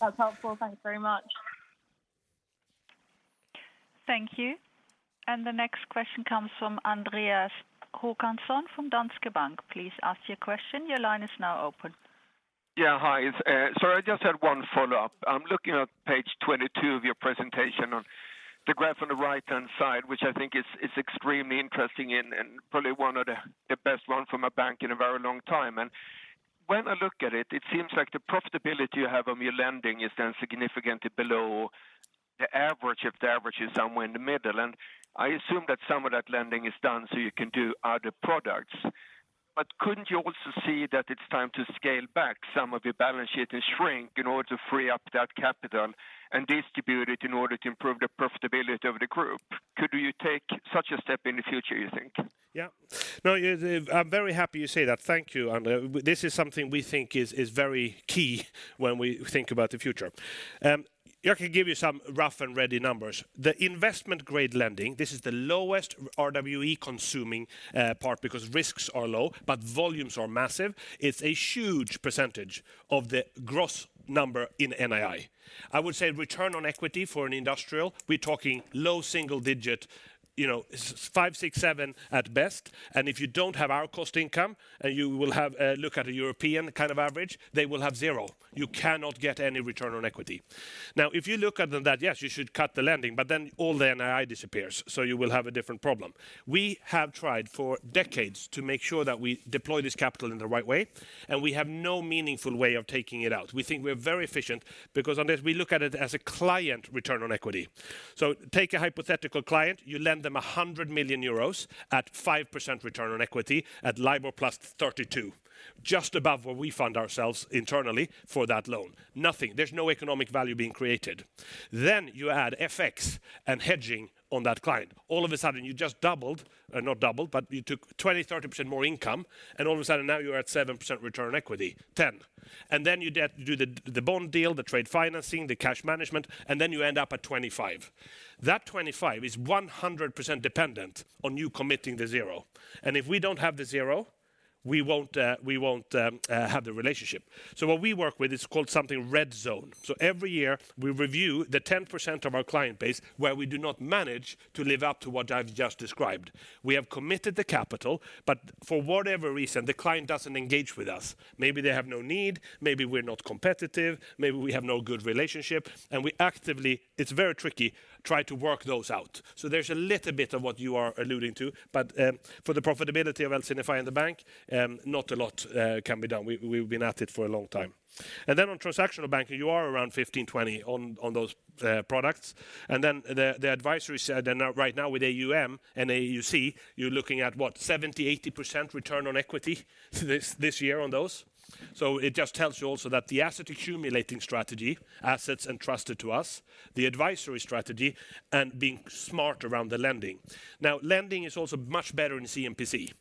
That's helpful. Thanks very much. Thank you. The next question comes from Andreas Håkansson from Danske Bank. Please ask your question. Your line is now open. Yeah. Hi. Sorry, I just had one follow-up. I'm looking at page 22 of your presentation on the graph on the right-hand side, which I think is extremely interesting and probably one of the best one from a bank in a very long time. When I look at it seems like the profitability you have on your lending is then significantly below the average if the average is somewhere in the middle. I assume that some of that lending is done so you can do other products. Couldn't you also see that it's time to scale back some of your balance sheet and shrink in order to free up that capital and distribute it in order to improve the profitability of the group? Could you take such a step in the future, you think? Yeah. No, I'm very happy you say that. Thank you, Andre. This is something we think is very key when we think about the future. I can give you some rough and ready numbers. The investment-grade lending, this is the lowest RWA-consuming part because risks are low, but volumes are massive. It's a huge percentage of the gross number in NII. I would say return on equity for an industrial, we're talking low single digit, 5%, 6%, 7% at best. If you don't have our cost income, you will have a look at a European kind of average, they will have 0%. You cannot get any return on equity. If you look at that, yes, you should cut the lending, but then all the NII disappears, so you will have a different problem. We have tried for decades to make sure that we deploy this capital in the right way, and we have no meaningful way of taking it out. We think we're very efficient because unless we look at it as a client return on equity. Take a hypothetical client, you lend them 100 million euros at 5% return on equity at LIBOR + 32 basis points, just above where we fund ourselves internally for that loan. Nothing. There's no economic value being created. Then you add FX and hedging on that client. All of a sudden, you just doubled. Not doubled, but you took 20%-30% more income, and all of a sudden now you're at 7% return on equity, 10%. You do the bond deal, the trade financing, the cash management, and then you end up at 25%. That 25% is 100% dependent on you committing the 0%. If we don't have the 0%, we won't have the relationship. What we work with is called the red zone. Every year we review the 10% of our client base where we do not manage to live up to what I've just described. We have committed the capital, but for whatever reason, the client doesn't engage with us. Maybe they have no need, maybe we're not competitive, maybe we have no good relationship, and we actively, it's very tricky, try to work those out. There's a little bit of what you are alluding to, but for the profitability of SEB and the bank, not a lot can be done. We've been at it for a long time. On transactional banking, you are around 15%-20% on those products. The advisory side, and now, right now with AUM and AUC, you're looking at, what, 70%-80% return on equity this year on those. It just tells you also that the asset accumulating strategy, assets entrusted to us, the advisory strategy, and being smart around the lending. Lending is also much better in C&PC.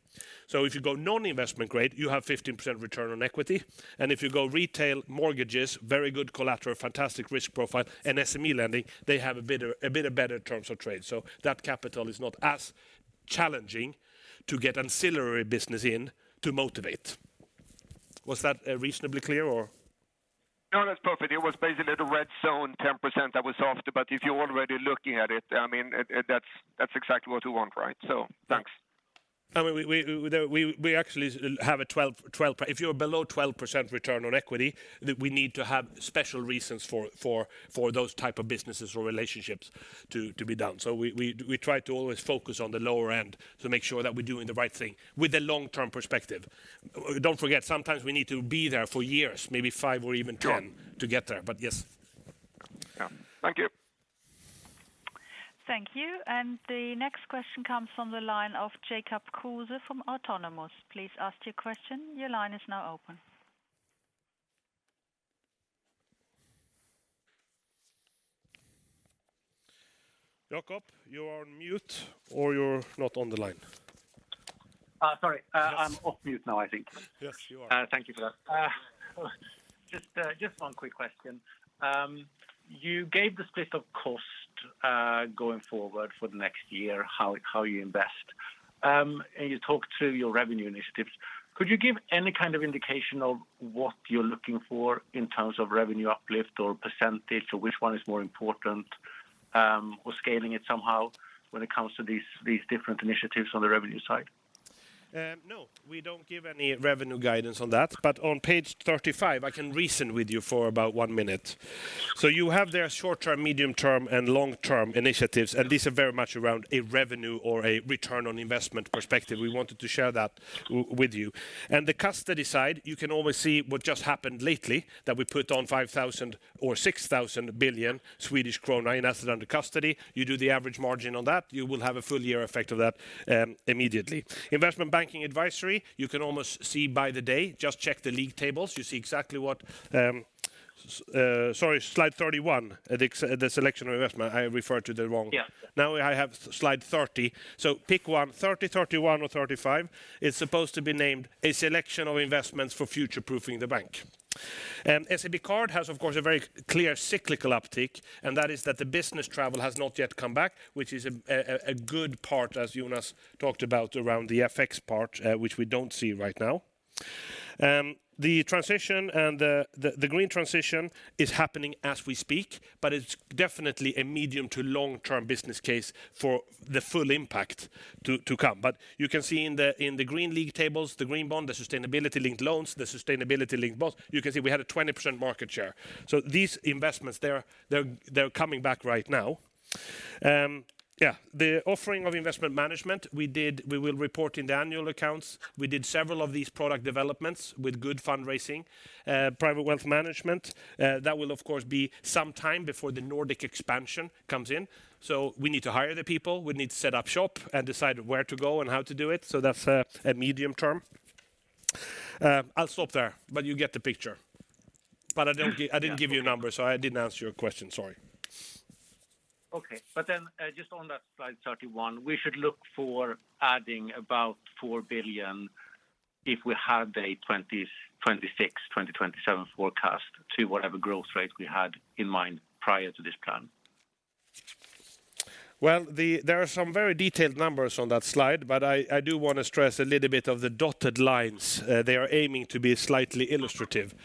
If you go non-investment grade, you have 15% return on equity. If you go retail mortgages, very good collateral, fantastic risk profile, and SME lending, they have a bit better terms of trade. That capital is not as challenging to get ancillary business in to motivate. Was that reasonably clear or? No, that's perfect. It was basically the red zone, 10% that was off. If you're already looking at it, I mean, that's exactly what we want, right? Thanks. I mean, we actually have a 12%—if you're below 12% return on equity, we need to have special reasons for those type of businesses or relationships to be done. We try to always focus on the lower end to make sure that we're doing the right thing with a long-term perspective. Don't forget, sometimes we need to be there for years, maybe 5 years or even 10 years- Sure to get there. Yes. Yeah. Thank you. Thank you. The next question comes from the line of Jacob Kruse from Autonomous. Please ask your question. Your line is now open. Jacob, you are on mute or you're not on the line. Sorry. I'm off mute now, I think. Yes, you are. Thank you for that. Just one quick question. You gave the split of cost going forward for the next year, how you invest. You talked through your revenue initiatives. Could you give any kind of indication of what you're looking for in terms of revenue uplift or percentage, or which one is more important, or scaling it somehow when it comes to these different initiatives on the revenue side? No, we don't give any revenue guidance on that. On page 35, I can reason with you for about one minute. You have there short-term, medium-term, and long-term initiatives, and these are very much around a revenue or a return on investment perspective. We wanted to share that with you. The custody side, you can always see what just happened lately, that we put on 5,000 billion or 6,000 billion Swedish krona in assets under custody. You do the average margin on that, you will have a full year effect of that immediately. Investment Banking Advisory, you can almost see by the day, just check the league tables. You see exactly what. Sorry, slide 31, the Selection of Investment. I referred to the wrong. Yeah. Now I have slide 30. Pick one, 30, 31, or 35. It's supposed to be named A Selection of Investments for Future-Proofing the Bank. SEB Card has, of course, a very clear cyclical uptick, and that is that the business travel has not yet come back, which is a good part, as Jonas talked about, around the FX part, which we don't see right now. The transition and the green transition is happening as we speak, but it's definitely a medium to long-term business case for the full impact to come. You can see in the green league tables, the green bond, the sustainability-linked loans, the sustainability-linked bonds. You can see we had a 20% market share. These investments, they're coming back right now. Yeah, the offering of investment management we did. We will report in the annual accounts. We did several of these product developments with good fundraising, Private Wealth Management. That will of course be some time before the Nordic expansion comes in. We need to hire the people, we need to set up shop and decide where to go and how to do it. That's a medium term. I'll stop there, but you get the picture. I didn't give you a number, so I didn't answer your question. Sorry. Just on that slide 31, we should look for adding about 4 billion if we had a 2026, 2027 forecast to whatever growth rate we had in mind prior to this plan. Well, there are some very detailed numbers on that slide, but I do want to stress a little bit of the dotted lines. They are aiming to be slightly illustrative.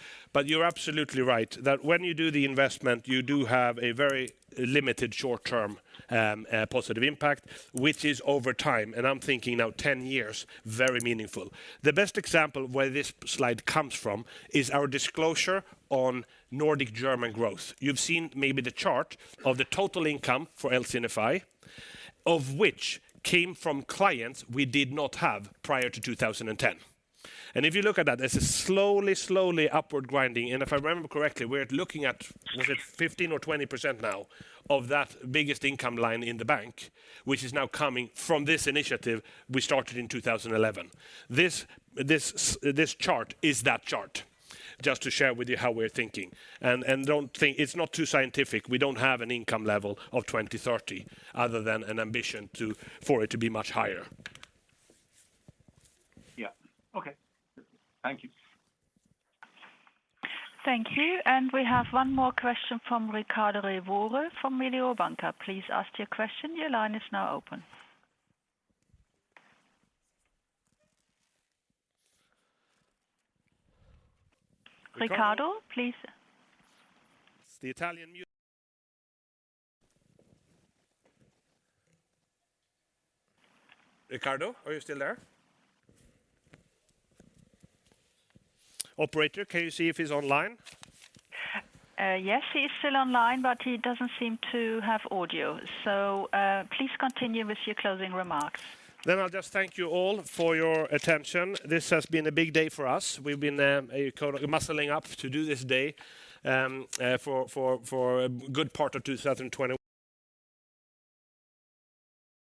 You're absolutely right that when you do the investment, you do have a very limited short-term positive impact, which is over time, and I'm thinking now 10 years, very meaningful. The best example of where this slide comes from is our disclosure on Nordic German growth. You've seen maybe the chart of the total income for LC&I, of which came from clients we did not have prior to 2010. If you look at that, there's a slowly upward grinding. If I remember correctly, we're looking at, was it 15% or 20% now, of that biggest income line in the bank, which is now coming from this initiative we started in 2011. This chart is that chart. Just to share with you how we're thinking. Don't think. It's not too scientific. We don't have an income level of 2030 other than an ambition for it to be much higher. Yeah. Okay. Thank you. Thank you. We have one more question from Riccardo Rovere from Mediobanca. Please ask your question. Your line is now open. Riccardo, please. Riccardo, are you still there? Operator, can you see if he's online? Yes, he's still online, but he doesn't seem to have audio. Please continue with your closing remarks. I'll just thank you all for your attention. This has been a big day for us. We've been kind of muscling up to do this day for a good part of 2020-